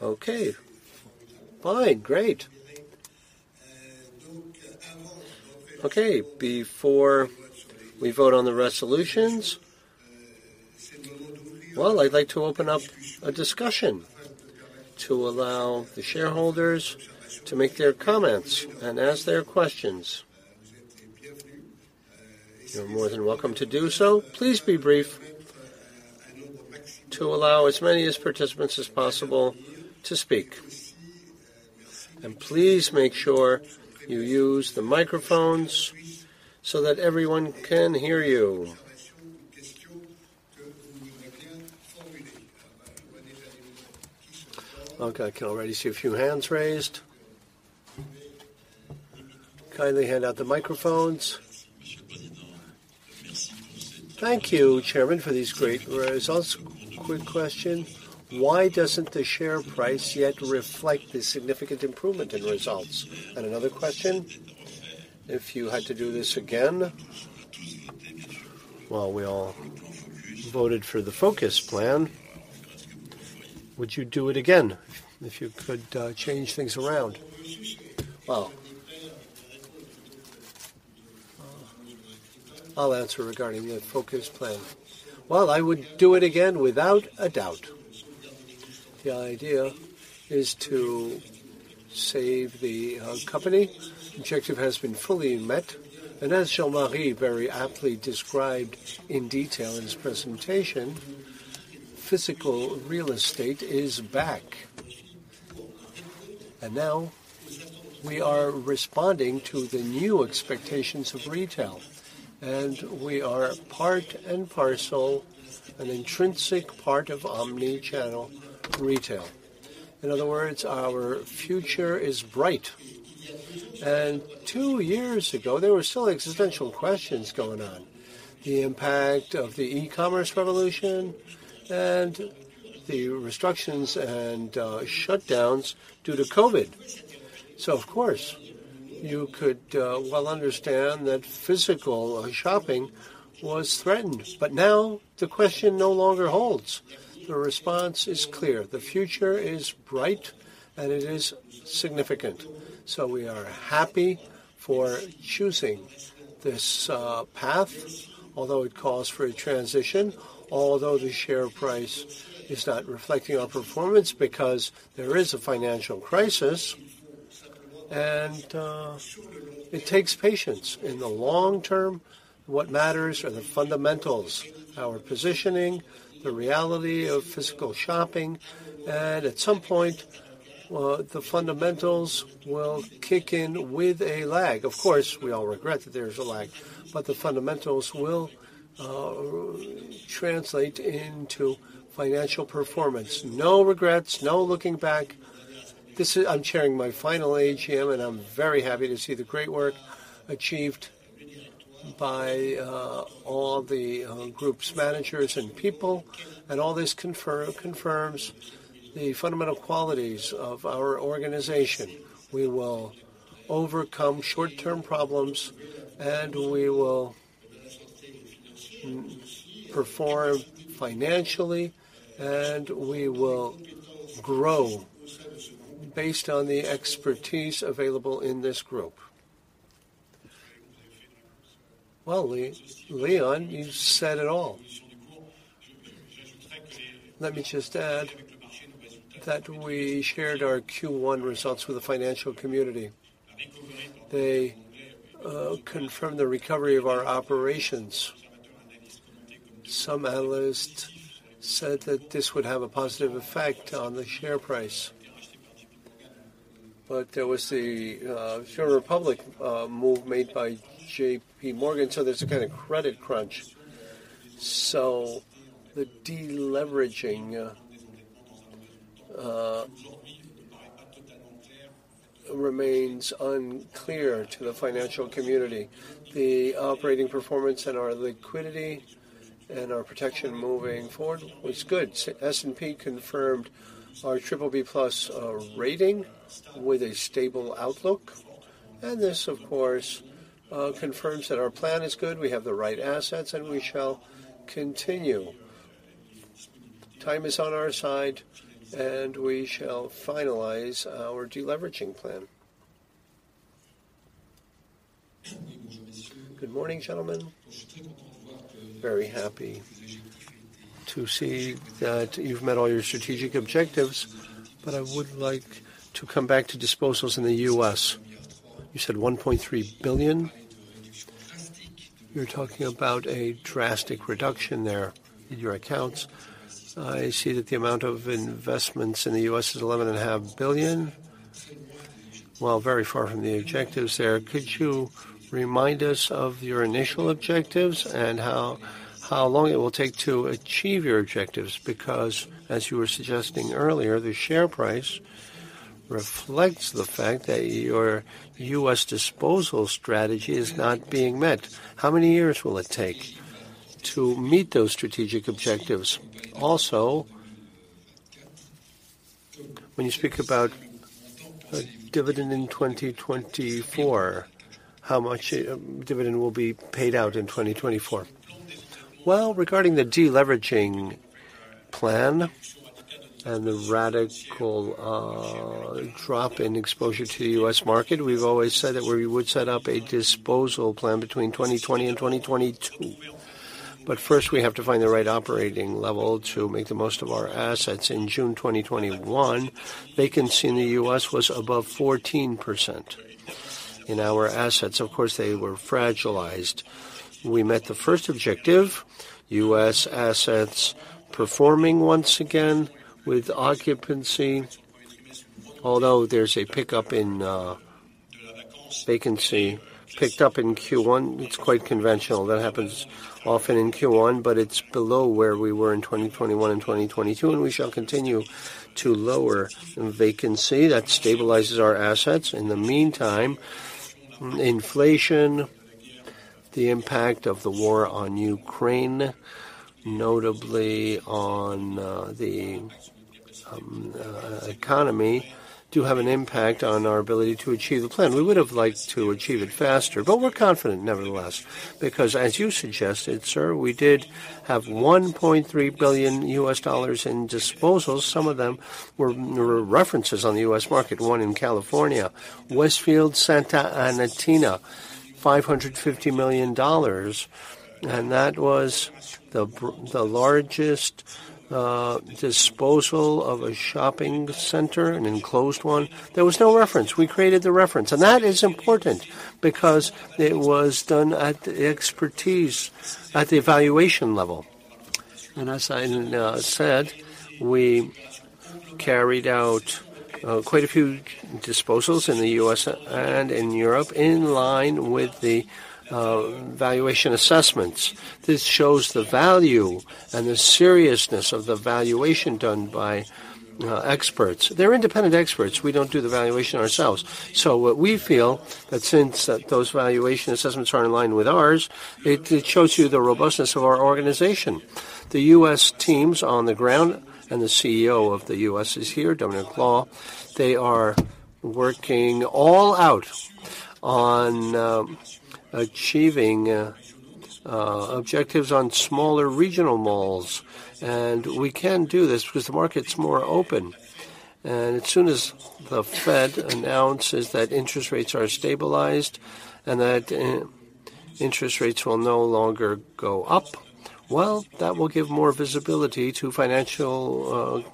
Okay. Fine. Great. Okay. Before we vote on the resolutions, well, I'd like to open up a discussion to allow the shareholders to make their comments and ask their questions. You're more than welcome to do so. Please be brief to allow as many as participants as possible to speak. Please make sure you use the microphones so that everyone can hear you. Okay, I can already see a few hands raised. Kindly hand out the microphones. Thank you, Chairman, for these great results. Quick question, why doesn't the share price yet reflect the significant improvement in results? Another question, if you had to do this again, well, we all voted for the focus plan, would you do it again if you could change things around? Well, I'll answer regarding the focus plan. Well, I would do it again without a doubt. The idea is to save the company. Objective has been fully met. As Jean-Marie very aptly described in detail in his presentation, physical real estate is back. Now we are responding to the new expectations of retail, and we are part and parcel, an intrinsic part of omnichannel retail. In other words, our future is bright. And two years ago, there were still existential questions going on, the impact of the e-commerce revolution and the restrictions and shutdowns due to COVID. Of course, you could well understand that physical shopping was threatened. Now the question no longer holds. The response is clear. The future is bright, and it is significant. We are happy for choosing this path, although it calls for a transition, although the share price is not reflecting our performance because there is a financial crisis. It takes patience. In the long term, what matters are the fundamentals, our positioning, the reality of physical shopping. At some point, the fundamentals will kick in with a lag. Of course, we all regret that there's a lag, but the fundamentals will translate into financial performance. No regrets, no looking back. I'm chairing my final AGM, and I'm very happy to see the great work achieved by all the group's managers and people. All this confirms the fundamental qualities of our organization. We will overcome short-term problems, and we will perform financially, and we will grow based on the expertise available in this group. Well, Léon, you said it all. Let me just add that we shared our Q1 results with the financial community. They confirmed the recovery of our operations. Some analysts said that this would have a positive effect on the share price. There was the share repurchase move made by JP Morgan, so there's a kind of credit crunch. The deleveraging remains unclear to the financial community. The operating performance and our liquidity and our protection moving forward was good. S&P confirmed our BBB+ rating with a stable outlook. This, of course, confirms that our plan is good, we have the right assets, and we shall continue. Time is on our side, and we shall finalize our deleveraging plan. Good morning, gentlemen. Very happy to see that you've met all your strategic objectives, I would like to come back to disposals in the US. You said $1.3 billion. You're talking about a drastic reduction there in your accounts. I see that the amount of investments in the US is $11.5 billion. Very far from the objectives there. Could you remind us of your initial objectives and how long it will take to achieve your objectives? As you were suggesting earlier, the share price reflects the fact that your US disposal strategy is not being met. How many years will it take to meet those strategic objectives? When you speak about a dividend in 2024, how much dividend will be paid out in 2024? Well, regarding the deleveraging plan and the radical drop in exposure to the US market, we've always said that we would set up a disposal plan between 2020 and 2022. First, we have to find the right operating level to make the most of our assets. In June 2021, vacancy in the US was above 14% in our assets. Of course, they were fragilized. We met the first objective, US assets performing once again with occupancy. Although there's a pickup in vacancy, picked up in Q1, it's quite conventional. That happens often in Q1, but it's below where we were in 2021 and 2022, and we shall continue to lower vacancy. That stabilizes our assets. In the meantime, inflation, the impact of the war on Ukraine, notably on the economy, do have an impact on our ability to achieve the plan. We would have liked to achieve it faster. We're confident nevertheless. As you suggested, sir, we did have $1.3 billion in disposals. Some of them were re-references on the U.S. market, one in California, Westfield Santa Anita, $550 million. That was the largest disposal of a shopping center, an enclosed one. There was no reference. We created the reference. That is important because it was done at the expertise, at the evaluation level. As I said, we carried out quite a few disposals in the U.S. and in Europe in line with the valuation assessments. This shows the value and the seriousness of the valuation done by experts. They're independent experts. We don't do the valuation ourselves. What we feel that since those valuation assessments are in line with ours, it shows you the robustness of our organization. The U.S. teams on the ground and the CEO of the U.S. is here, Dominic Lowe. They are working all out on achieving objectives on smaller regional malls. We can do this because the market's more open. As soon as the Fed announces that interest rates are stabilized and that interest rates will no longer go up, well, that will give more visibility to financial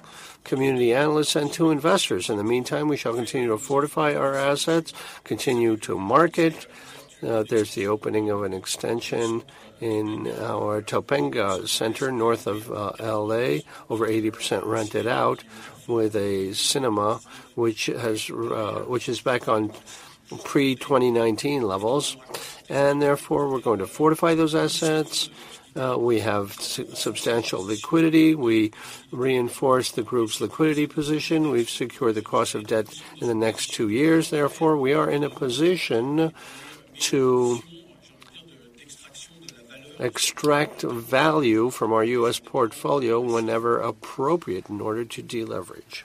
community analysts and to investors. In the meantime, we shall continue to fortify our assets, continue to market. There's the opening of an extension in our Topanga Center, north of L.A., over 80% rented out with a cinema which is back on pre-2019 levels. Therefore, we're going to fortify those assets. We have substantial liquidity. We reinforce the group's liquidity position. We've secured the cost of debt in the next two years. Therefore, we are in a position to extract value from our U.S. portfolio whenever appropriate in order to deleverage.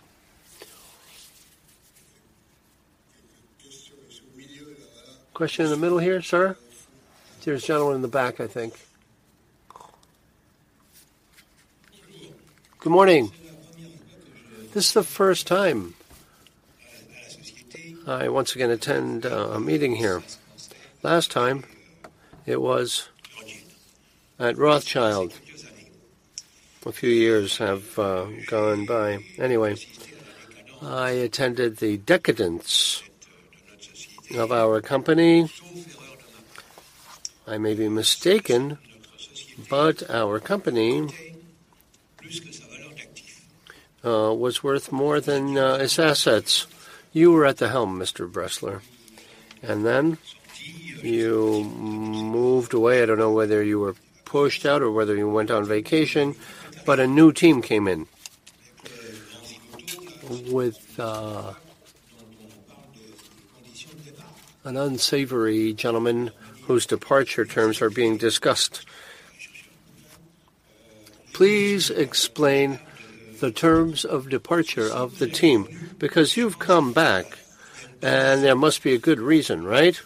Question in the middle here, sir. There's a gentleman in the back, I think. Good morning. This is the first time I once again attend a meeting here. Last time, it was at Rothschild. A few years have gone by. Anyway, I attended the decadence of our company. I may be mistaken, but our company was worth more than its assets. You were at the helm, Mr. Bressler. You moved away. I don't know whether you were pushed out or whether you went on vacation, but a new team came in. An unsavory gentleman whose departure terms are being discussed. Please explain the terms of departure of the team, because you've come back, and there must be a good reason, right?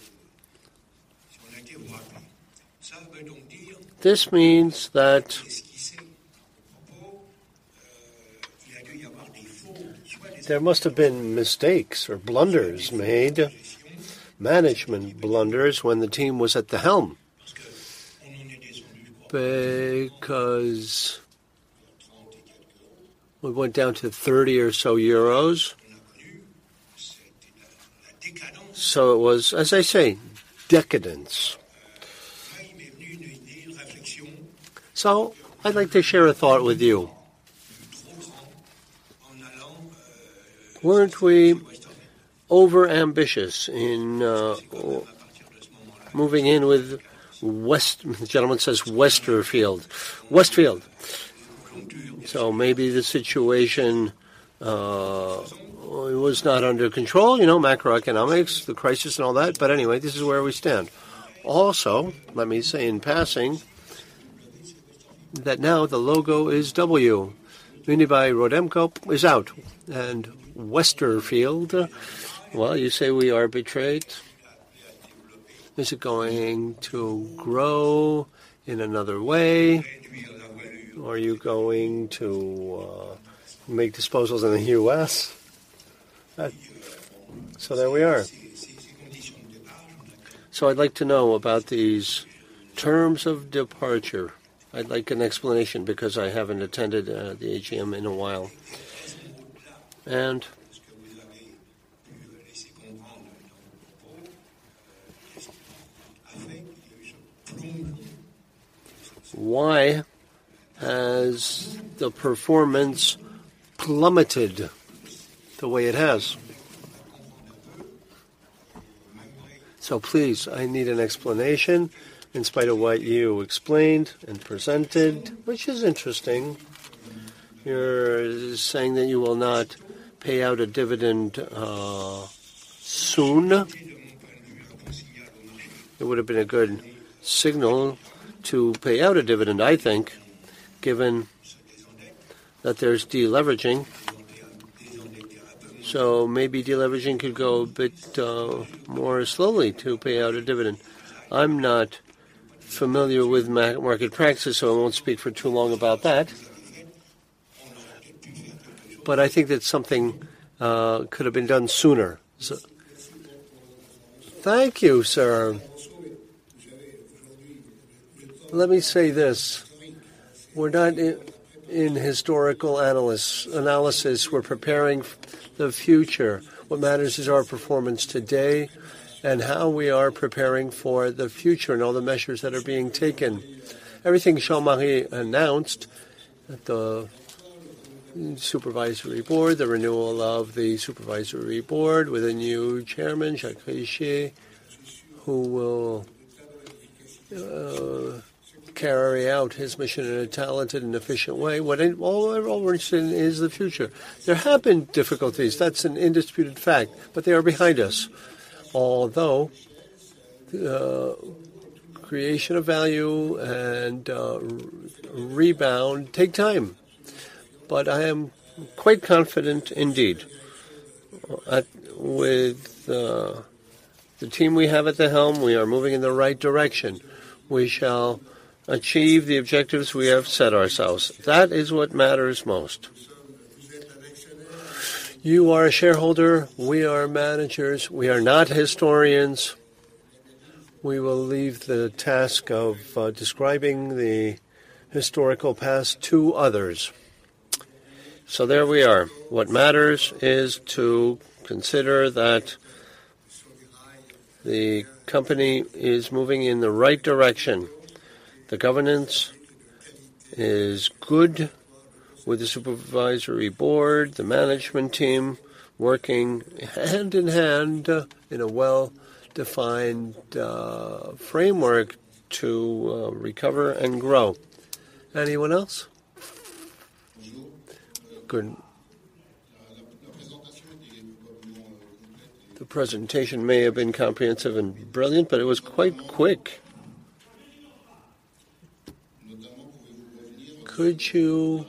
This means that there must have been mistakes or blunders made, management blunders, when the team was at the helm. We went down to 30 or so EUR. It was, as I say, decadence. I'd like to share a thought with you. Weren't we overambitious in moving in with the gentleman says Westfield. Maybe the situation, it was not under control, you know, macroeconomics, the crisis and all that. Anyway, this is where we stand. Also, let me say in passing, that now the logo is W. Unibail-Rodamco is out. Westfield, well, you say we are betrayed. Is it going to grow in another way? Are you going to make disposals in the US? There we are. I'd like to know about these terms of departure. I'd like an explanation because I haven't attended the AGM in a while. Why has the performance plummeted the way it has? Please, I need an explanation in spite of what you explained and presented, which is interesting. You're saying that you will not pay out a dividend soon. It would have been a good signal to pay out a dividend, I think, given that there's deleveraging. Maybe deleveraging could go a bit more slowly to pay out a dividend. I'm not familiar with market practice, so I won't speak for too long about that. I think that something could have been done soo Thank you, sir. Let me say this. We're not in historical analysis. We're preparing the future. What matters is our performance today and how we are preparing for the future and all the measures that are being taken. Everything Jean-Marie announced at the supervisory board, the renewal of the supervisory board with a new chairman, Jacques Richier, who will carry out his mission in a talented and efficient way. All we're interested in is the future. There have been difficulties, that's an undisputed fact, but they are behind us. Although creation of value and rebound take time. I am quite confident indeed. With the team we have at the helm, we are moving in the right direction. We shall achieve the objectives we have set ourselves. That is what matters most. You are a shareholder, we are managers. We are not historians. We will leave the task of describing the historical past to others. There we are. What matters is to consider that the company is moving in the right direction. The governance is good, with the supervisory board, the management team working hand in hand in a well-defined framework to recover and grow. Anyone else? Good. The presentation may have been comprehensive and brilliant, but it was quite quick. Could you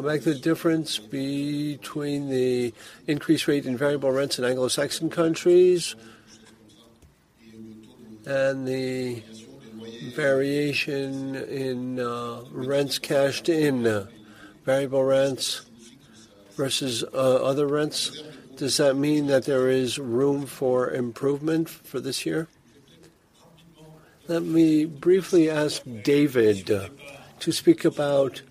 go back to the difference between the increased rate in variable rents in Anglo-Saxon countries and the variation in rents cashed in, variable rents versus other rents? Does that mean that there is room for improvement for this year? Let me briefly ask David to speak about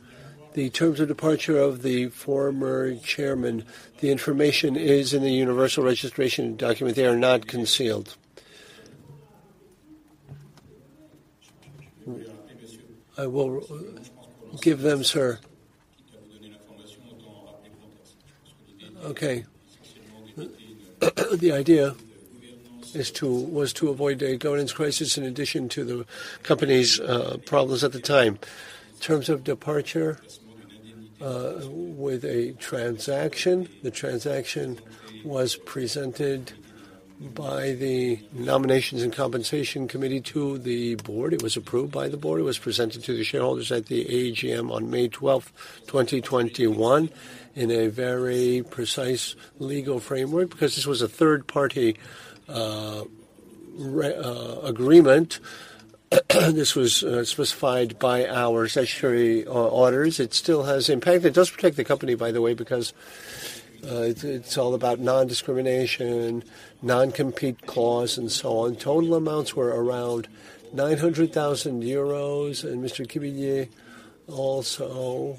the terms of departure of the former chairman. The information is in the Universal Registration Document. They are not concealed. I will give them, sir. Okay. The idea was to avoid a governance crisis in addition to the company's problems at the time. Terms of departure with a transaction. The transaction was presented by the nominations and compensation committee to the board. It was approved by the board. It was presented to the shareholders at the AGM on May 12th, 2021 in a very precise legal framework, because this was a third party agreement. This was specified by our statutory orders. It still has impact. It does protect the company, by the way, because it's all about non-discrimination, non-compete clause, and so on. Total amounts were around 900,000 euros, Mr. Cuvillier also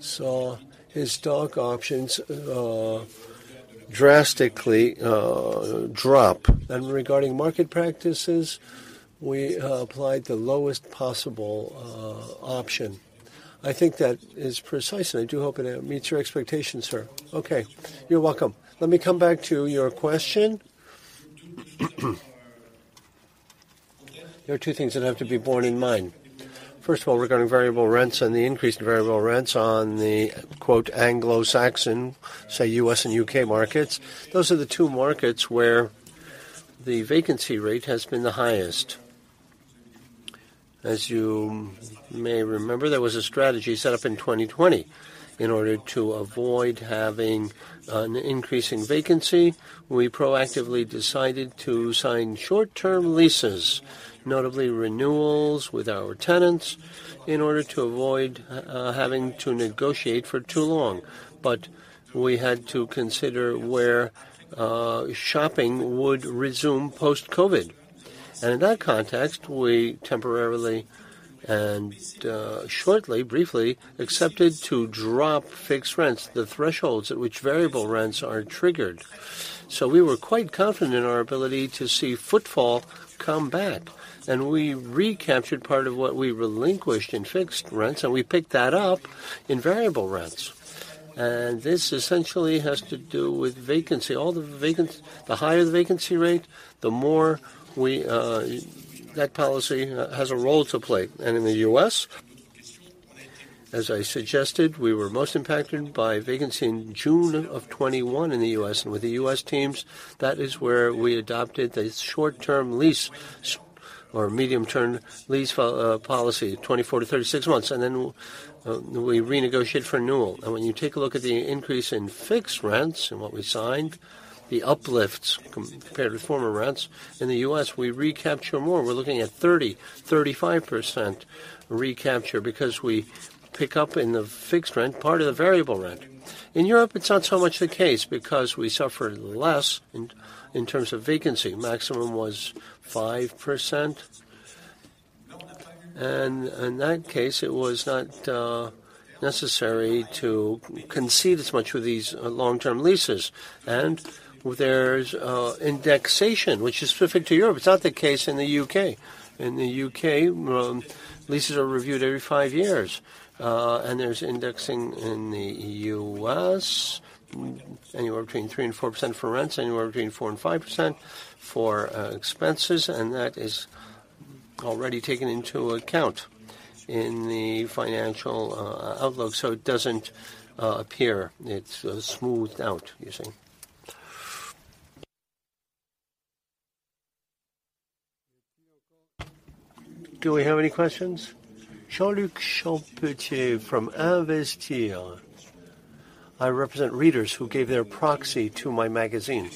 saw his stock options drastically drop. Regarding market practices, we applied the lowest possible option. I think that is precise, and I do hope it meets your expectations, sir. You're welcome. Let me come back to your question. There are two things that have to be borne in mind. First of all, regarding variable rents and the increase in variable rents on the quote Anglo-Saxon, say U.S. and U.K. markets, those are the two markets where the vacancy rate has been the highest. As you may remember, there was a strategy set up in 2020 in order to avoid having an increase in vacancy. We proactively decided to sign short-term leases, notably renewals with our tenants, in order to avoid having to negotiate for too long. We had to consider where shopping would resume post-COVID. In that context, we temporarily and shortly, briefly accepted to drop fixed rents, the thresholds at which variable rents are triggered. We were quite confident in our ability to see footfall come back, and we recaptured part of what we relinquished in fixed rents, and we picked that up in variable rents. This essentially has to do with vacancy. The higher the vacancy rate, the more we that policy has a role to play. In the U.S., as I suggested, we were most impacted by vacancy in June of 2021 in the U.S. With the U.S. teams, that is where we adopted the short-term lease or medium-term lease policy, 24-36 months. Then we renegotiate for renewal. When you take a look at the increase in fixed rents and what we signed, the uplifts compared to former rents, in the U.S., we recapture more. We're looking at 30-35% recapture because we pick up in the fixed rent part of the variable rent. In Europe, it's not so much the case because we suffered less in terms of vacancy. Maximum was 5%. In that case, it was not necessary to concede as much with these long-term leases. There's indexation, which is specific to Europe. It's not the case in the U.K. In the U.K., leases are reviewed every five years. There's indexing in the U.S., anywhere between 3% and 4% for rents, anywhere between 4% and 5% for expenses. That is already taken into account in the financial outlook, so it doesn't appear. It's smoothed out, you see. Do we have any questions? Jean-Luc Champetier from Investor. I represent readers who gave their proxy to my magazine.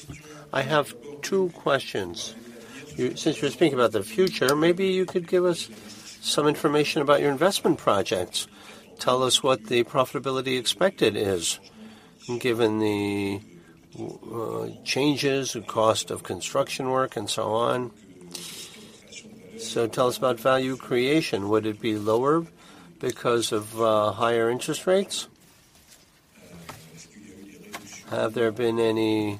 I have two questions. Since you're speaking about the future, maybe you could give us some information about your investment projects. Tell us what the profitability expected is, given the changes in cost of construction work and so on. Tell us about value creation. Would it be lower because of higher interest rates? Have there been any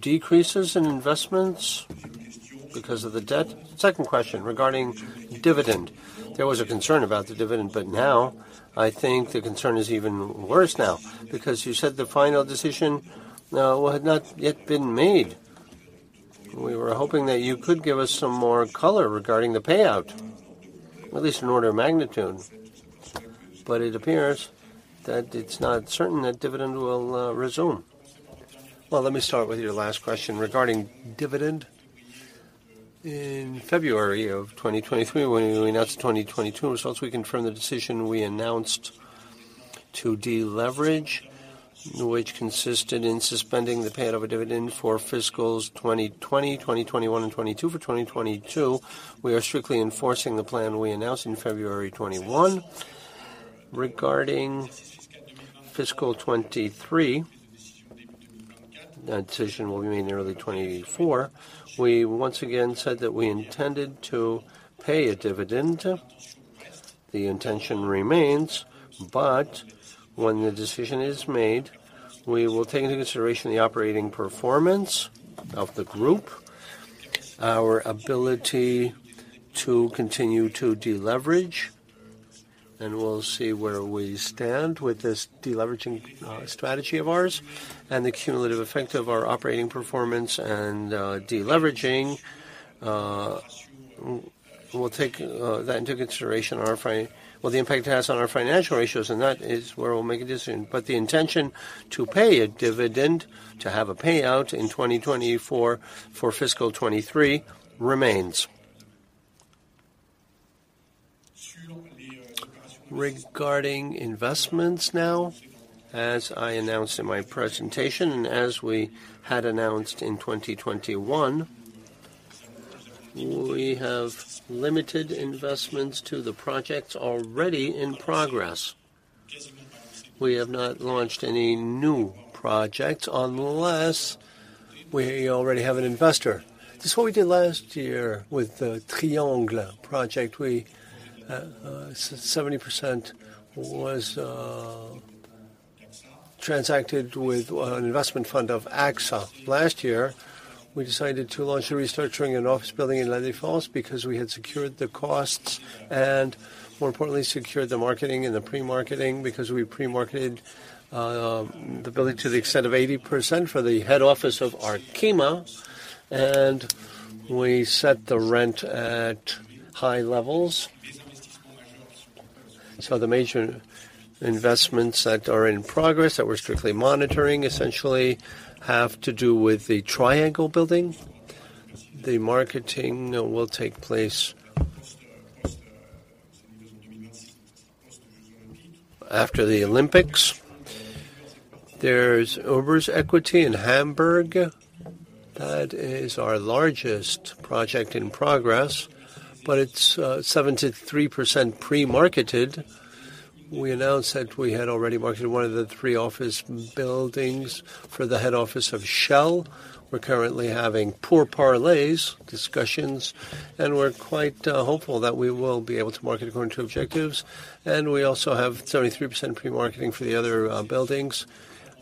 decreases in investments because of the debt? Second question regarding dividend. There was a concern about the dividend. Now I think the concern is even worse now because you said the final decision had not yet been made. We were hoping that you could give us some more color regarding the payout, at least an order of magnitude. It appears that it's not certain that dividend will resume. Let me start with your last question regarding dividend. In February of 2023, when we announced the 2022 results, we confirmed the decision we announced to deleverage, which consisted in suspending the payout of a dividend for fiscals 2020, 2021, and 2022. For 2022, we are strictly enforcing the plan we announced in February 2021. Regarding fiscal 2023, that decision will be made in early 2024. We once again said that we intended to pay a dividend. The intention remains, when the decision is made, we will take into consideration the operating performance of the group, our ability to continue to deleverage, and we'll see where we stand with this deleveraging strategy of ours and the cumulative effect of our operating performance and deleveraging. We'll take that into consideration. Well, the impact it has on our financial ratios. That is where we'll make a decision. The intention to pay a dividend, to have a payout in 2024 for fiscal 2023 remains. Regarding investments now, as I announced in my presentation, and as we had announced in 2021, we have limited investments to the projects already in progress. We have not launched any new projects unless we already have an investor. This is what we did last year with the Triangle project. We 70% was transacted with an investment fund of AXA. Last year, we decided to launch a restructuring in office building in La Défense because we had secured the costs and, more importantly, secured the marketing and the pre-marketing because we pre-marketed the building to the extent of 80% for the head office of Arkema, and we set the rent at high levels. The major investments that are in progress, that we're strictly monitoring, essentially have to do with the Triangle building. The marketing will take place after the Olympics. There's Überseequartier in Hamburg. That is our largest project in progress, but it's 73% pre-marketed. We announced that we had already marketed one of the three office buildings for the head office of Shell. We're currently having poor parleys, discussions, and we're quite hopeful that we will be able to market according to objectives. We also have 33% pre-marketing for the other buildings.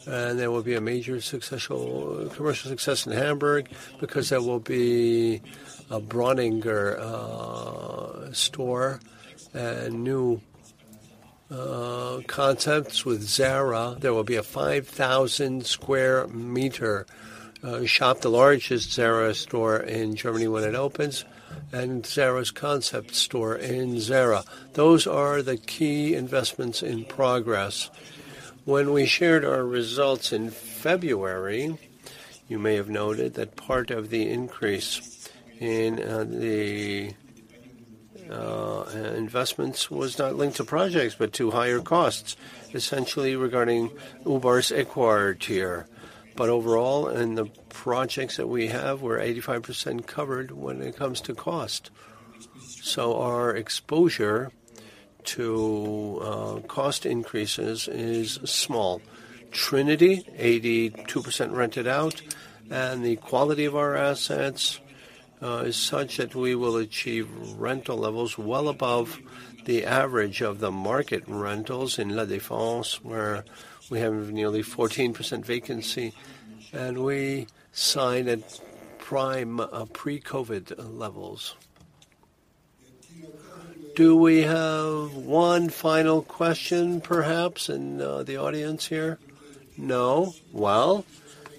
There will be a major successful, commercial success in Hamburg because there will be a Breuninger store and new concepts with Zara. There will be a 5,000 square meter shop, the largest Zara store in Germany when it opens, and Zara's concept store in Zara. Those are the key investments in progress. When we shared our results in February, you may have noted that part of the increase in the investments was not linked to projects but to higher costs, essentially regarding Überseequartier. Overall, in the projects that we have, we're 85% covered when it comes to cost. Our exposure to cost increases is small. Trinity, 82% rented out. The quality of our assets is such that we will achieve rental levels well above the average of the market rentals in La Défense, where we have nearly 14% vacancy, and we sign at prime pre-COVID levels. Do we have one final question perhaps in the audience here? No? Well,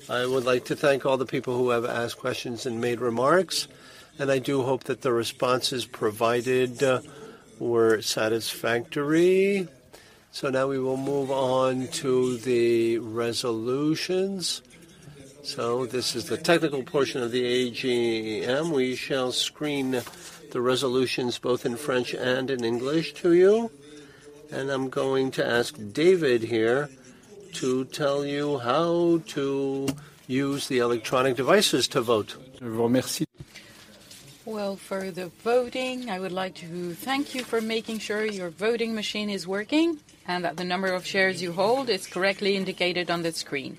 I would like to thank all the people who have asked questions and made remarks. I do hope that the responses provided were satisfactory. Now we will move on to the resolutions. This is the technical portion of the AGM. We shall screen the resolutions both in French and in English to you. I'm going to ask David here to tell you how to use the electronic devices to vote. Well, for the voting, I would like to thank you for making sure your voting machine is working and that the number of shares you hold is correctly indicated on the screen.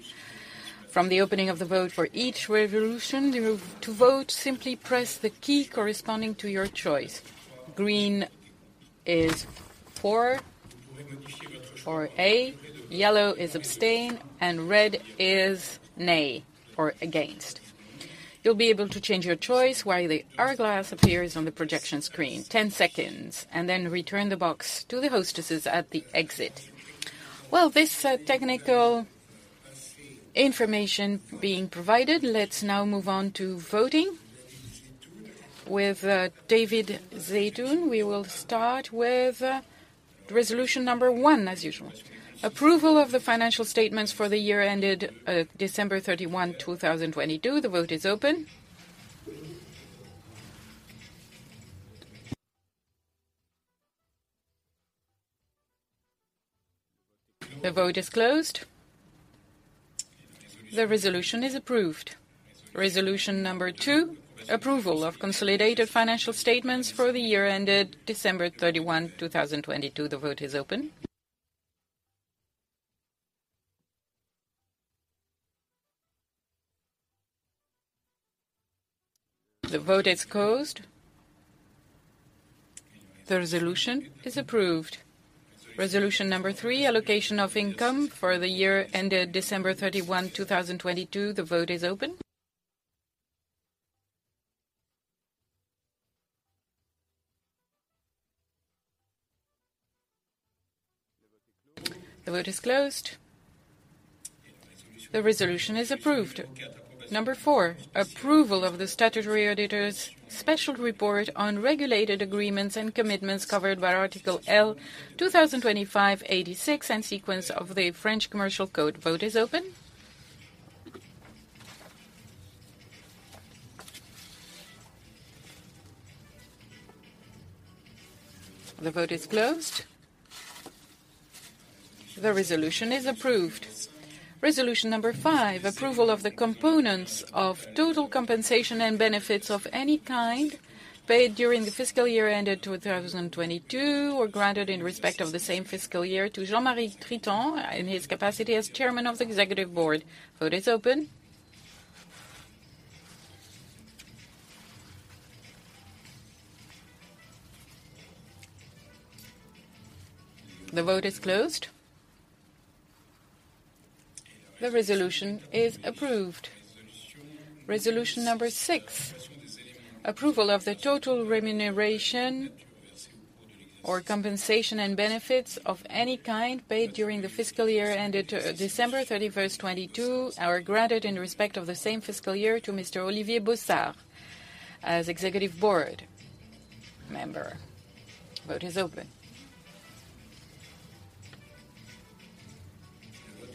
From the opening of the vote for each resolution, to vote, simply press the key corresponding to your choice. Green is for A, yellow is abstain, and red is nay or against. You'll be able to change your choice while the hourglass appears on the projection screen, 10 seconds, and then return the box to the hostesses at the exit. Well, this technical information being provided, let's now move on to voting. With David Zeitoun, we will start with resolution number 1, as usual. Approval of the financial statements for the year ended December 31, 2022. The vote is open. The vote is closed. The resolution is approved. Resolution number 2, approval of consolidated financial statements for the year ended December 31, 2022. The vote is open. The vote is closed. The resolution is approved. Resolution number 3, allocation of income for the year ended December 31, 2022. The vote is open. The vote is closed. The resolution is approved. Number 4, approval of the statutory auditor's special report on regulated agreements and commitments covered by Article L. 225-86 and sequence of the French Commercial Code. Vote is open. The vote is closed. The resolution is approved. Resolution number 5, approval of the components of total compensation and benefits of any kind paid during the fiscal year ended 2022 or granted in respect of the same fiscal year to Jean-Marie Tritant in his capacity as Chairman of the executive board. Vote is open. The vote is closed. The resolution is approved. Resolution number 6, approval of the total remuneration or compensation and benefits of any kind paid during the fiscal year ended December 31, 2022 or granted in respect of the same fiscal year to Mr. Olivier Bossard as Executive Board member. Vote is open.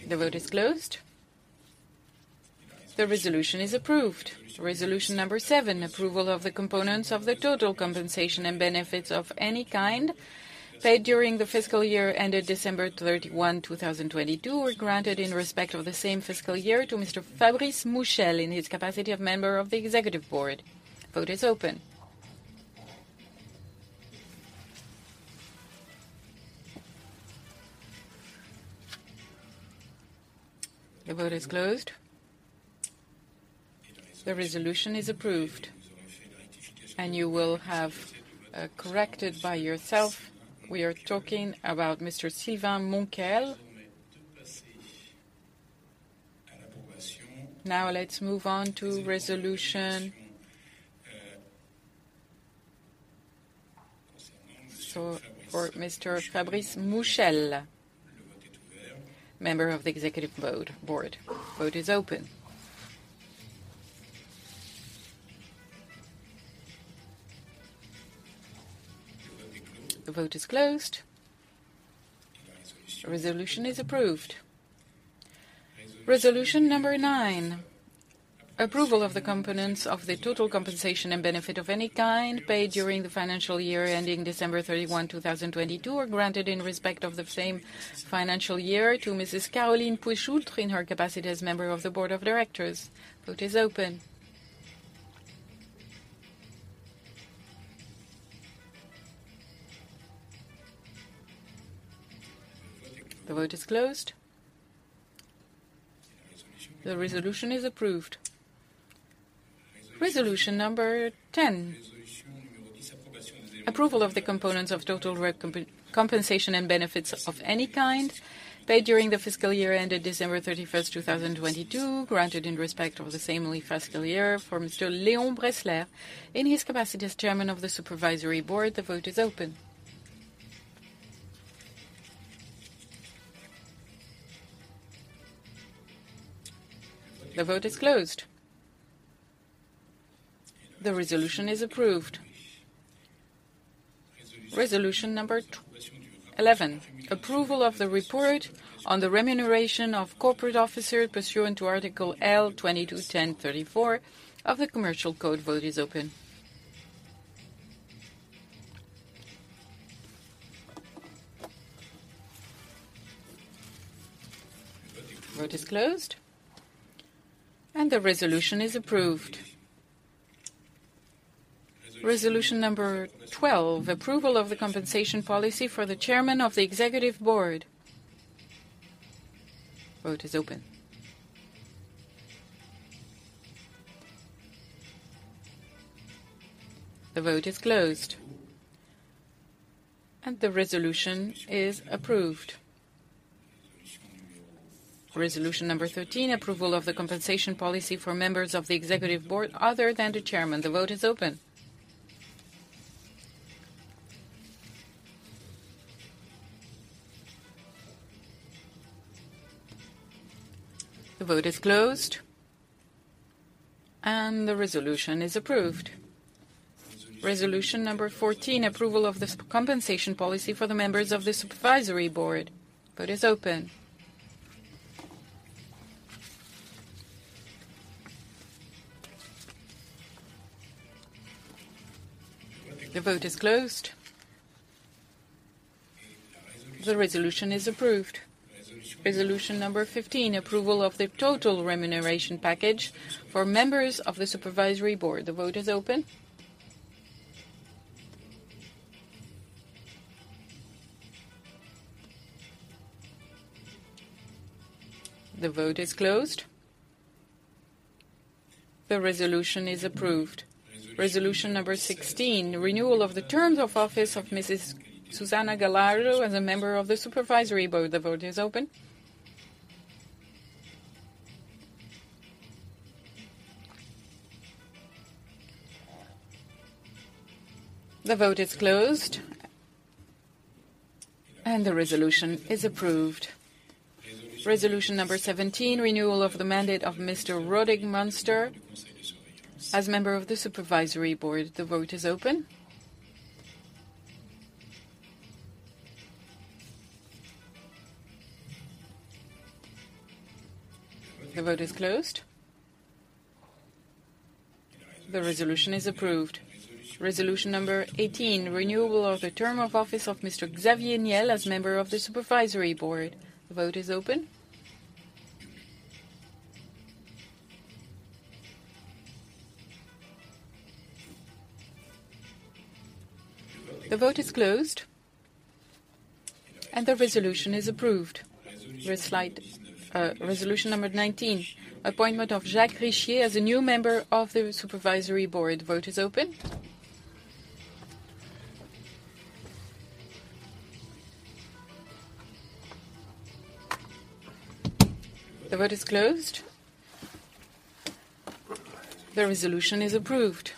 The vote is closed. The resolution is approved. Resolution number 7, approval of the components of the total compensation and benefits of any kind paid during the fiscal year ended December 31, 2022 or granted in respect of the same fiscal year to Mr. Fabrice Mouchel in his capacity of member of the Executive Board. Vote is open. The vote is closed. The resolution is approved. You will have corrected by yourself, we are talking about Mr. Sylvain Montcouquiol. Now let's move on to resolution for Mr. Fabrice Mouchel, member of the Executive Board. Vote is open. The vote is closed. Resolution is approved. Resolution number 9, approval of the components of the total compensation and benefit of any kind paid during the financial year ending December 31, 2022 or granted in respect of the same financial year to Mrs. Caroline Puechoultres in her capacity as member of the board of directors. Vote is open. The vote is closed. The resolution is approved. Resolution number 10, approval of the components of total compensation and benefits of any kind paid during the fiscal year ended December 31, 2022, granted in respect of the same fiscal year for Mr. Léon Bressler in his capacity as chairman of the supervisory board. The vote is open. The vote is closed. The resolution is approved. Resolution number 11, approval of the report on the remuneration of corporate officer pursuant to Article L. 22-10-34 of the Commercial Code. Vote is open. Vote is closed. The resolution is approved. Resolution number 12, approval of the compensation policy for the chairman of the executive board. Vote is open. The vote is closed. The resolution is approved. Resolution number 13, approval of the compensation policy for members of the executive board other than the chairman. The vote is open. The vote is closed. The resolution is approved. Resolution number 14, approval of the sub-compensation policy for the members of the supervisory board. Vote is open. The vote is closed. The resolution is approved. Resolution number 15, approval of the total remuneration package for members of the supervisory board. The vote is open. The vote is closed. The resolution is approved. Resolution number 16, renewal of the terms of office of Mrs. Susana Gallardo as a member of the Supervisory Board. The vote is open. The vote is closed. The resolution is approved. Resolution number 17, renewal of the mandate of Mr. Roderick Munsters as member of the Supervisory Board. The vote is open. The vote is closed. The resolution is approved. Resolution number 18, renewable of the term of office of Mr. Xavier Niel as member of the Supervisory Board. The vote is open. The vote is closed. The resolution is approved. Resolution number 19, appointment of Jacques Richier as a new member of the Supervisory Board. Vote is open. The vote is closed. The resolution is approved. Resolution number 20, appointment of Mrs. Sara Lucas as a new member of the Supervisory Board. The vote is open. The vote is closed. The resolution is approved.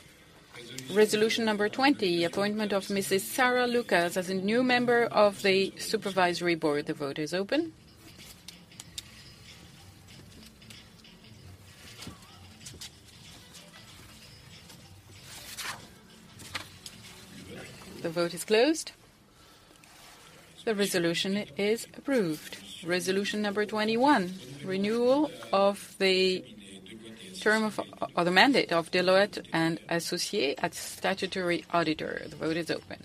Resolution number 21, renewal of the term or the mandate of Deloitte & Associés at statutory auditor. The vote is open.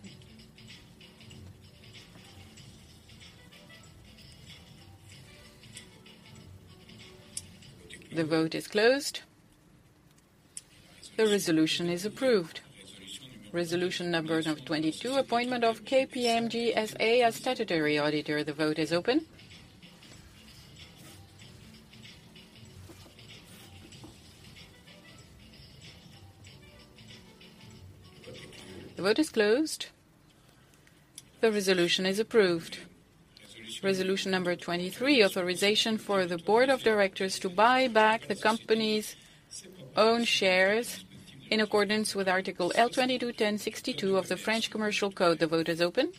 The vote is closed. The resolution is approved. Resolution number of 22, appointment of KPMG S.A. as statutory auditor. The vote is open. The vote is closed. The resolution is approved. Resolution number 23, authorization for the board of directors to buy back the company's own shares in accordance with Article L. 22-10-62 of the French Commercial Code. The vote is open.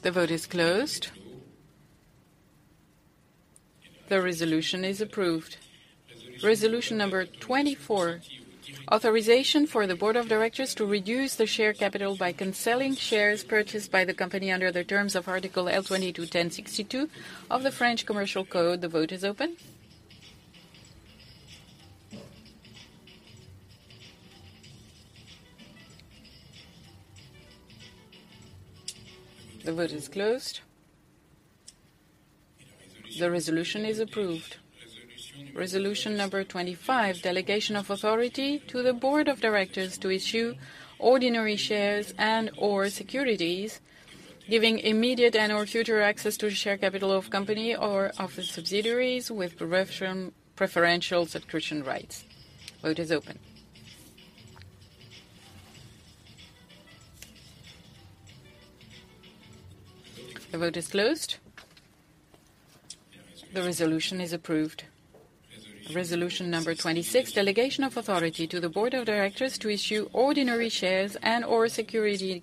The vote is closed. The resolution is approved. Resolution number 24, authorization for the board of directors to reduce the share capital by cancelling shares purchased by the company under the terms of Article L. 22-10-62 of the French Commercial Code. The vote is open. The vote is closed. The resolution is approved. Resolution number 25, delegation of authority to the board of directors to issue ordinary shares and/or securities giving immediate and/or future access to the share capital of company or of its subsidiaries with preferential subscription rights. Vote is open. The vote is closed. The resolution is approved. Resolution number 26, delegation of authority to the board of directors to issue ordinary shares and/or security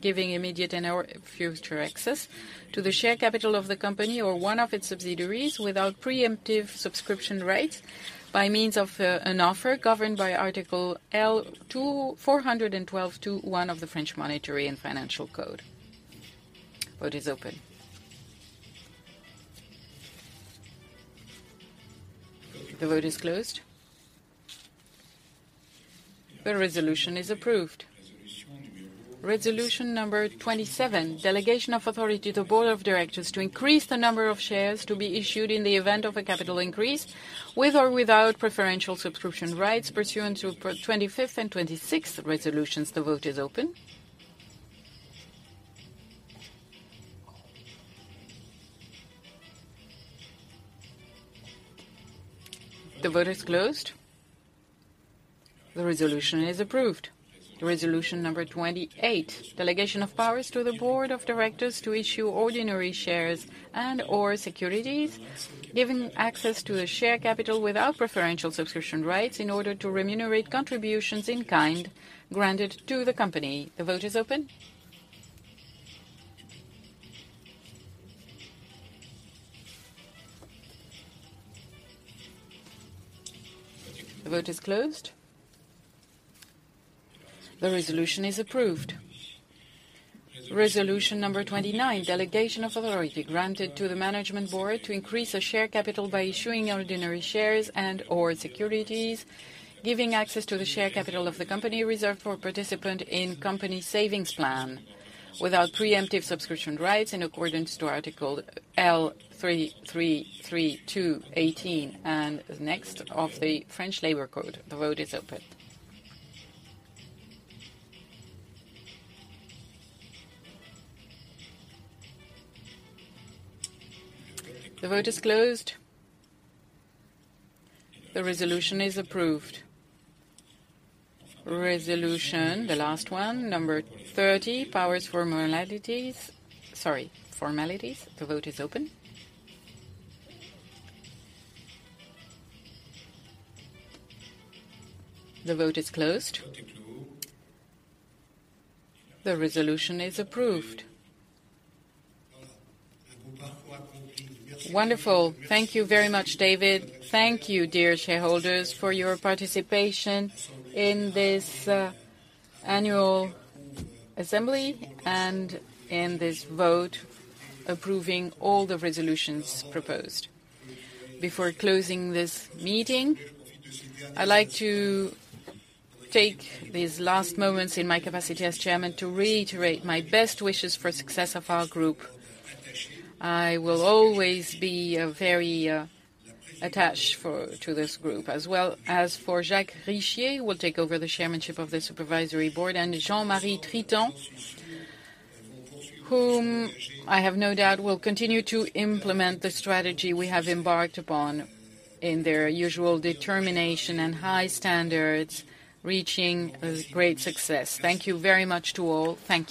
giving immediate and/or future access to the share capital of the company or one of its subsidiaries without preemptive subscription rights by means of an offer governed by Article L2-412 to 1 of the French Monetary and Financial Code. Vote is open. The vote is closed. The resolution is approved. Resolution number 27, delegation of authority to board of directors to increase the number of shares to be issued in the event of a capital increase with or without preferential subscription rights pursuant to 25th and 26th resolutions. The vote is open. The vote is closed. The resolution is approved. Resolution number 28, delegation of powers to the board of directors to issue ordinary shares and/or securities giving access to the share capital without preferential subscription rights in order to remunerate contributions in kind granted to the company. The vote is open. The vote is closed. The resolution is approved. Resolution number 29, delegation of authority granted to the management board to increase a share capital by issuing ordinary shares and/or securities giving access to the share capital of the company reserved for participant in company savings plan without preemptive subscription rights in accordance to Article L. 3332-18 and next of the French Labor Code. The vote is open. The vote is closed. The resolution is approved. Resolution, the last one, number 30, powers for modalities. Sorry, formalities. The vote is open. The vote is closed. The vote is closed. The resolution is approved. Wonderful. Thank you very much, David. Thank you, dear shareholders, for your participation in this annual assembly and in this vote approving all the resolutions proposed. Before closing this meeting, I'd like to take these last moments in my capacity as chairman to reiterate my best wishes for success of our group. I will always be very attached to this group. As well as for Jacques Richier, who will take over the chairmanship of the supervisory board, and Jean-Marie Tritant, whom I have no doubt will continue to implement the strategy we have embarked upon in their usual determination and high standards, reaching a great success. Thank you very much to all. Thank you.